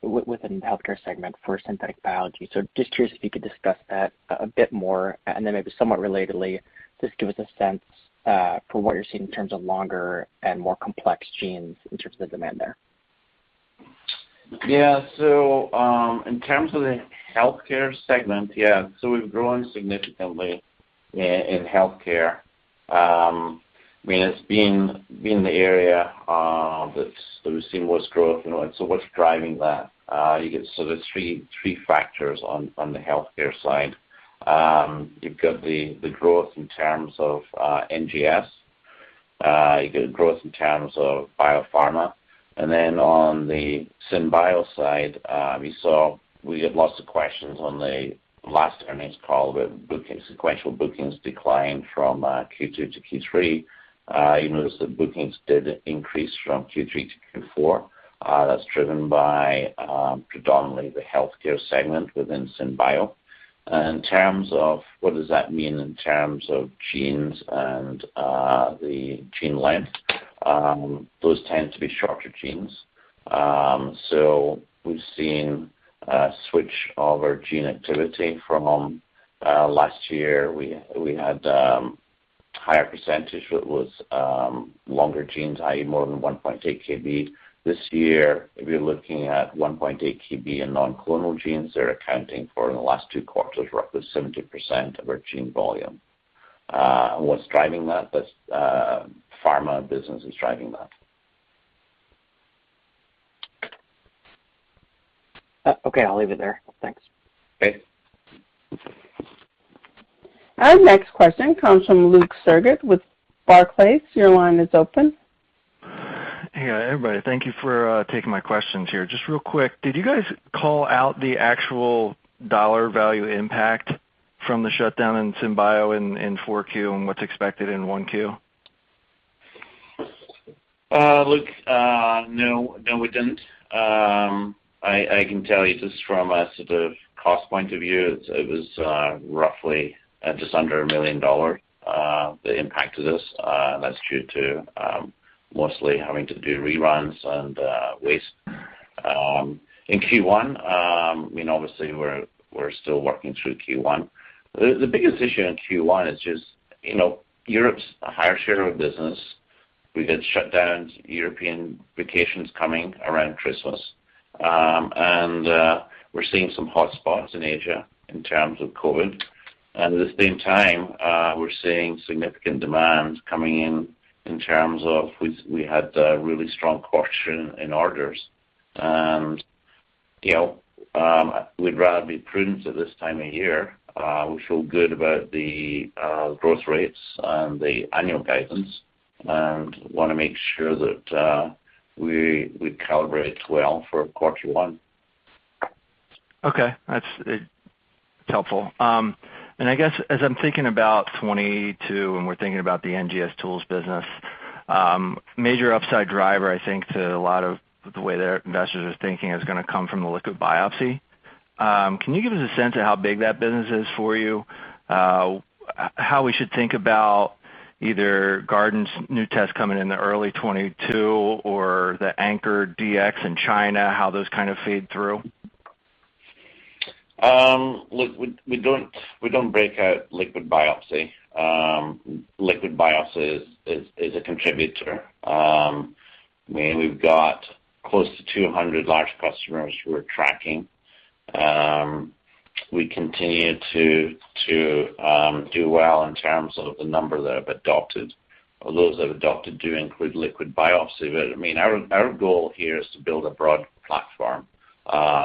within the healthcare segment for synthetic biology. Just curious if you could discuss that a bit more. Maybe somewhat relatedly, just give us a sense for what you're seeing in terms of longer and more complex genes in terms of the demand there. In terms of the Healthcare segment, we've grown significantly in healthcare. I mean, it's been the area that's where we've seen most growth. You know, what's driving that? You get three factors on the healthcare side. You've got the growth in terms of NGS. You get growth in terms of biopharma. On the SynBio side, we had lots of questions on the last earnings call where sequential bookings declined from Q2 to Q3. You notice the bookings did increase from Q3 to Q4. That's driven by predominantly the Healthcare segment within SynBio. In terms of what does that mean in terms of genes and the gene length, those tend to be shorter genes. We've seen a switch of our gene activity from last year we had higher percentage, it was longer genes, i.e., more than 1.8 KB. This year, if you're looking at 1.8 KB in non-clonal genes, they're accounting for in the last two quarters, roughly 70% of our gene volume. What's driving that? That's pharma business is driving that. Okay, I'll leave it there. Thanks. Okay. Our next question comes from Luke Sergott with Barclays. Your line is open. Hey, everybody. Thank you for taking my questions here. Just real quick, did you guys call out the actual dollar value impact from the shutdown in SynBio in 4Q and what's expected in 1Q? Luke, no, we didn't. I can tell you just from a cost point of view, it was roughly just under $1 million that impacted us. That's due to mostly having to do reruns and waste. In Q1, I mean, obviously we're still working through Q1. The biggest issue in Q1 is just, you know, Europe's a higher share of our business. We had shutdowns, European vacations coming around Christmas. We're seeing some hotspots in Asia in terms of COVID. At the same time, we're seeing significant demand coming in in terms of we had a really strong quarter in orders. You know, we'd rather be prudent at this time of year. We feel good about the growth rates and the annual guidance and wanna make sure that we calibrate well for quarter one. Okay. That's helpful. I guess as I'm thinking about 2022 and we're thinking about the NGS tools business, major upside driver, I think to a lot of the way that investors are thinking is gonna come from the liquid biopsy. Can you give us a sense of how big that business is for you? How we should think about either Guardant's new test coming in the early 2022 or the AnchorDx in China, how those feed through? Luke, we don't break out liquid biopsy. Liquid biopsy is a contributor. I mean, we've got close to 200 large customers who are tracking. We continue to do well in terms of the number that have adopted. Those that have adopted do include liquid biopsy. I mean, our goal here is to build a broad platform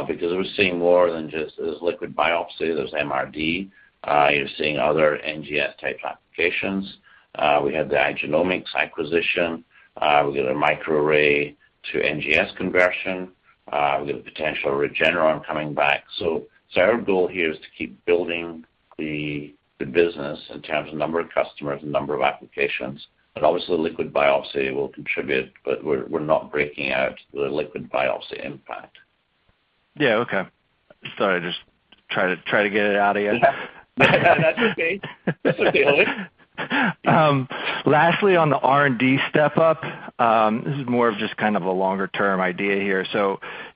because we're seeing more than just liquid biopsy. There's liquid biopsy, there's MRD, you're seeing other NGS-type applications. We have the iGenomX acquisition. We've got a microarray to NGS conversion. We've got the potential of Regeneron coming back. Our goal here is to keep building the business in terms of number of customers and number of applications. Obviously, liquid biopsy will contribute, but we're not breaking out the liquid biopsy impact. Yeah. Okay. Sorry, I just try to get it out of you. That's okay. That's okay, Luke. Lastly, on the R&D step up, this is more of just a longer-term idea here.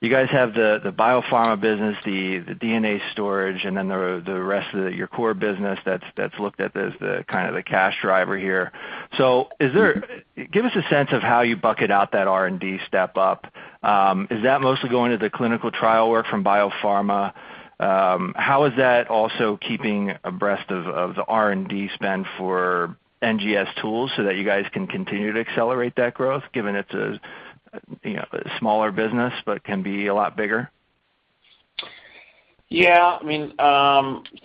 You guys have the biopharma business, the DNA storage, and then the rest of your core business that's looked at as the cash driver here. Give us a sense of how you bucket out that R&D step up. Is that mostly going to the clinical trial work from biopharma? How is that also keeping abreast of the R&D spend for NGS tools so that you guys can continue to accelerate that growth given it's a you know, a smaller business, but can be a lot bigger? Yeah, I mean,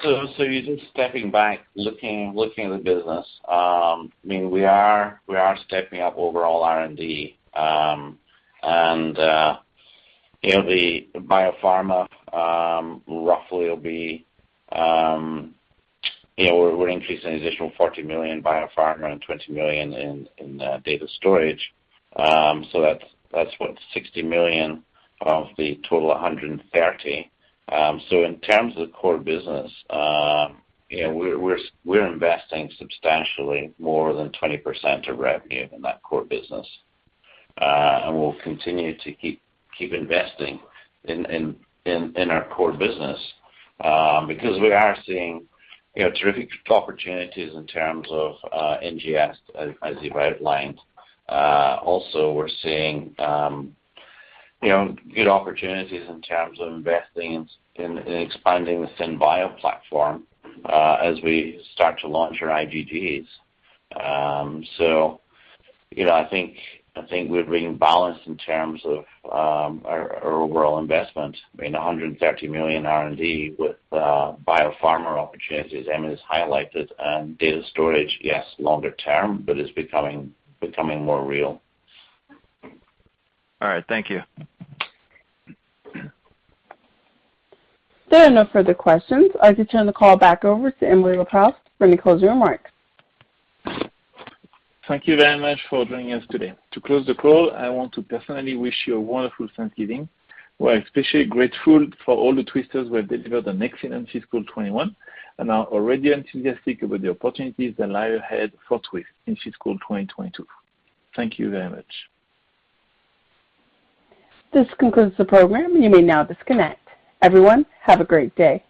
you're just stepping back looking at the business. I mean, we are stepping up overall R&D. You know, the biopharma roughly will be, you know, we're increasing an additional $40 million biopharma and $20 million in data storage. That's $60 million of the total $130 million. In terms of core business, you know, we're investing substantially more than 20% of revenue in that core business. We'll continue to keep investing in our core business because we are seeing you know terrific opportunities in terms of NGS, as you've outlined. Also we're seeing, you know, good opportunities in terms of investing in expanding the SynBio platform, as we start to launch our IVDs. You know, I think we're being balanced in terms of our overall investment. I mean, $130 million R&D with biopharma opportunities, Emily has highlighted, and data storage, yes, longer term, but it's becoming more real. All right. Thank you. There are no further questions. I could turn the call back over to Emily Leproust for any closing remarks. Thank you very much for joining us today. To close the call, I want to personally wish you a wonderful Thanksgiving. We're especially grateful for all the Twisters. We have delivered on next year in fiscal 2021 and are already enthusiastic about the opportunities that lie ahead for Twist in fiscal 2022. Thank you very much. This concludes the program. You may now disconnect. Everyone, have a great day.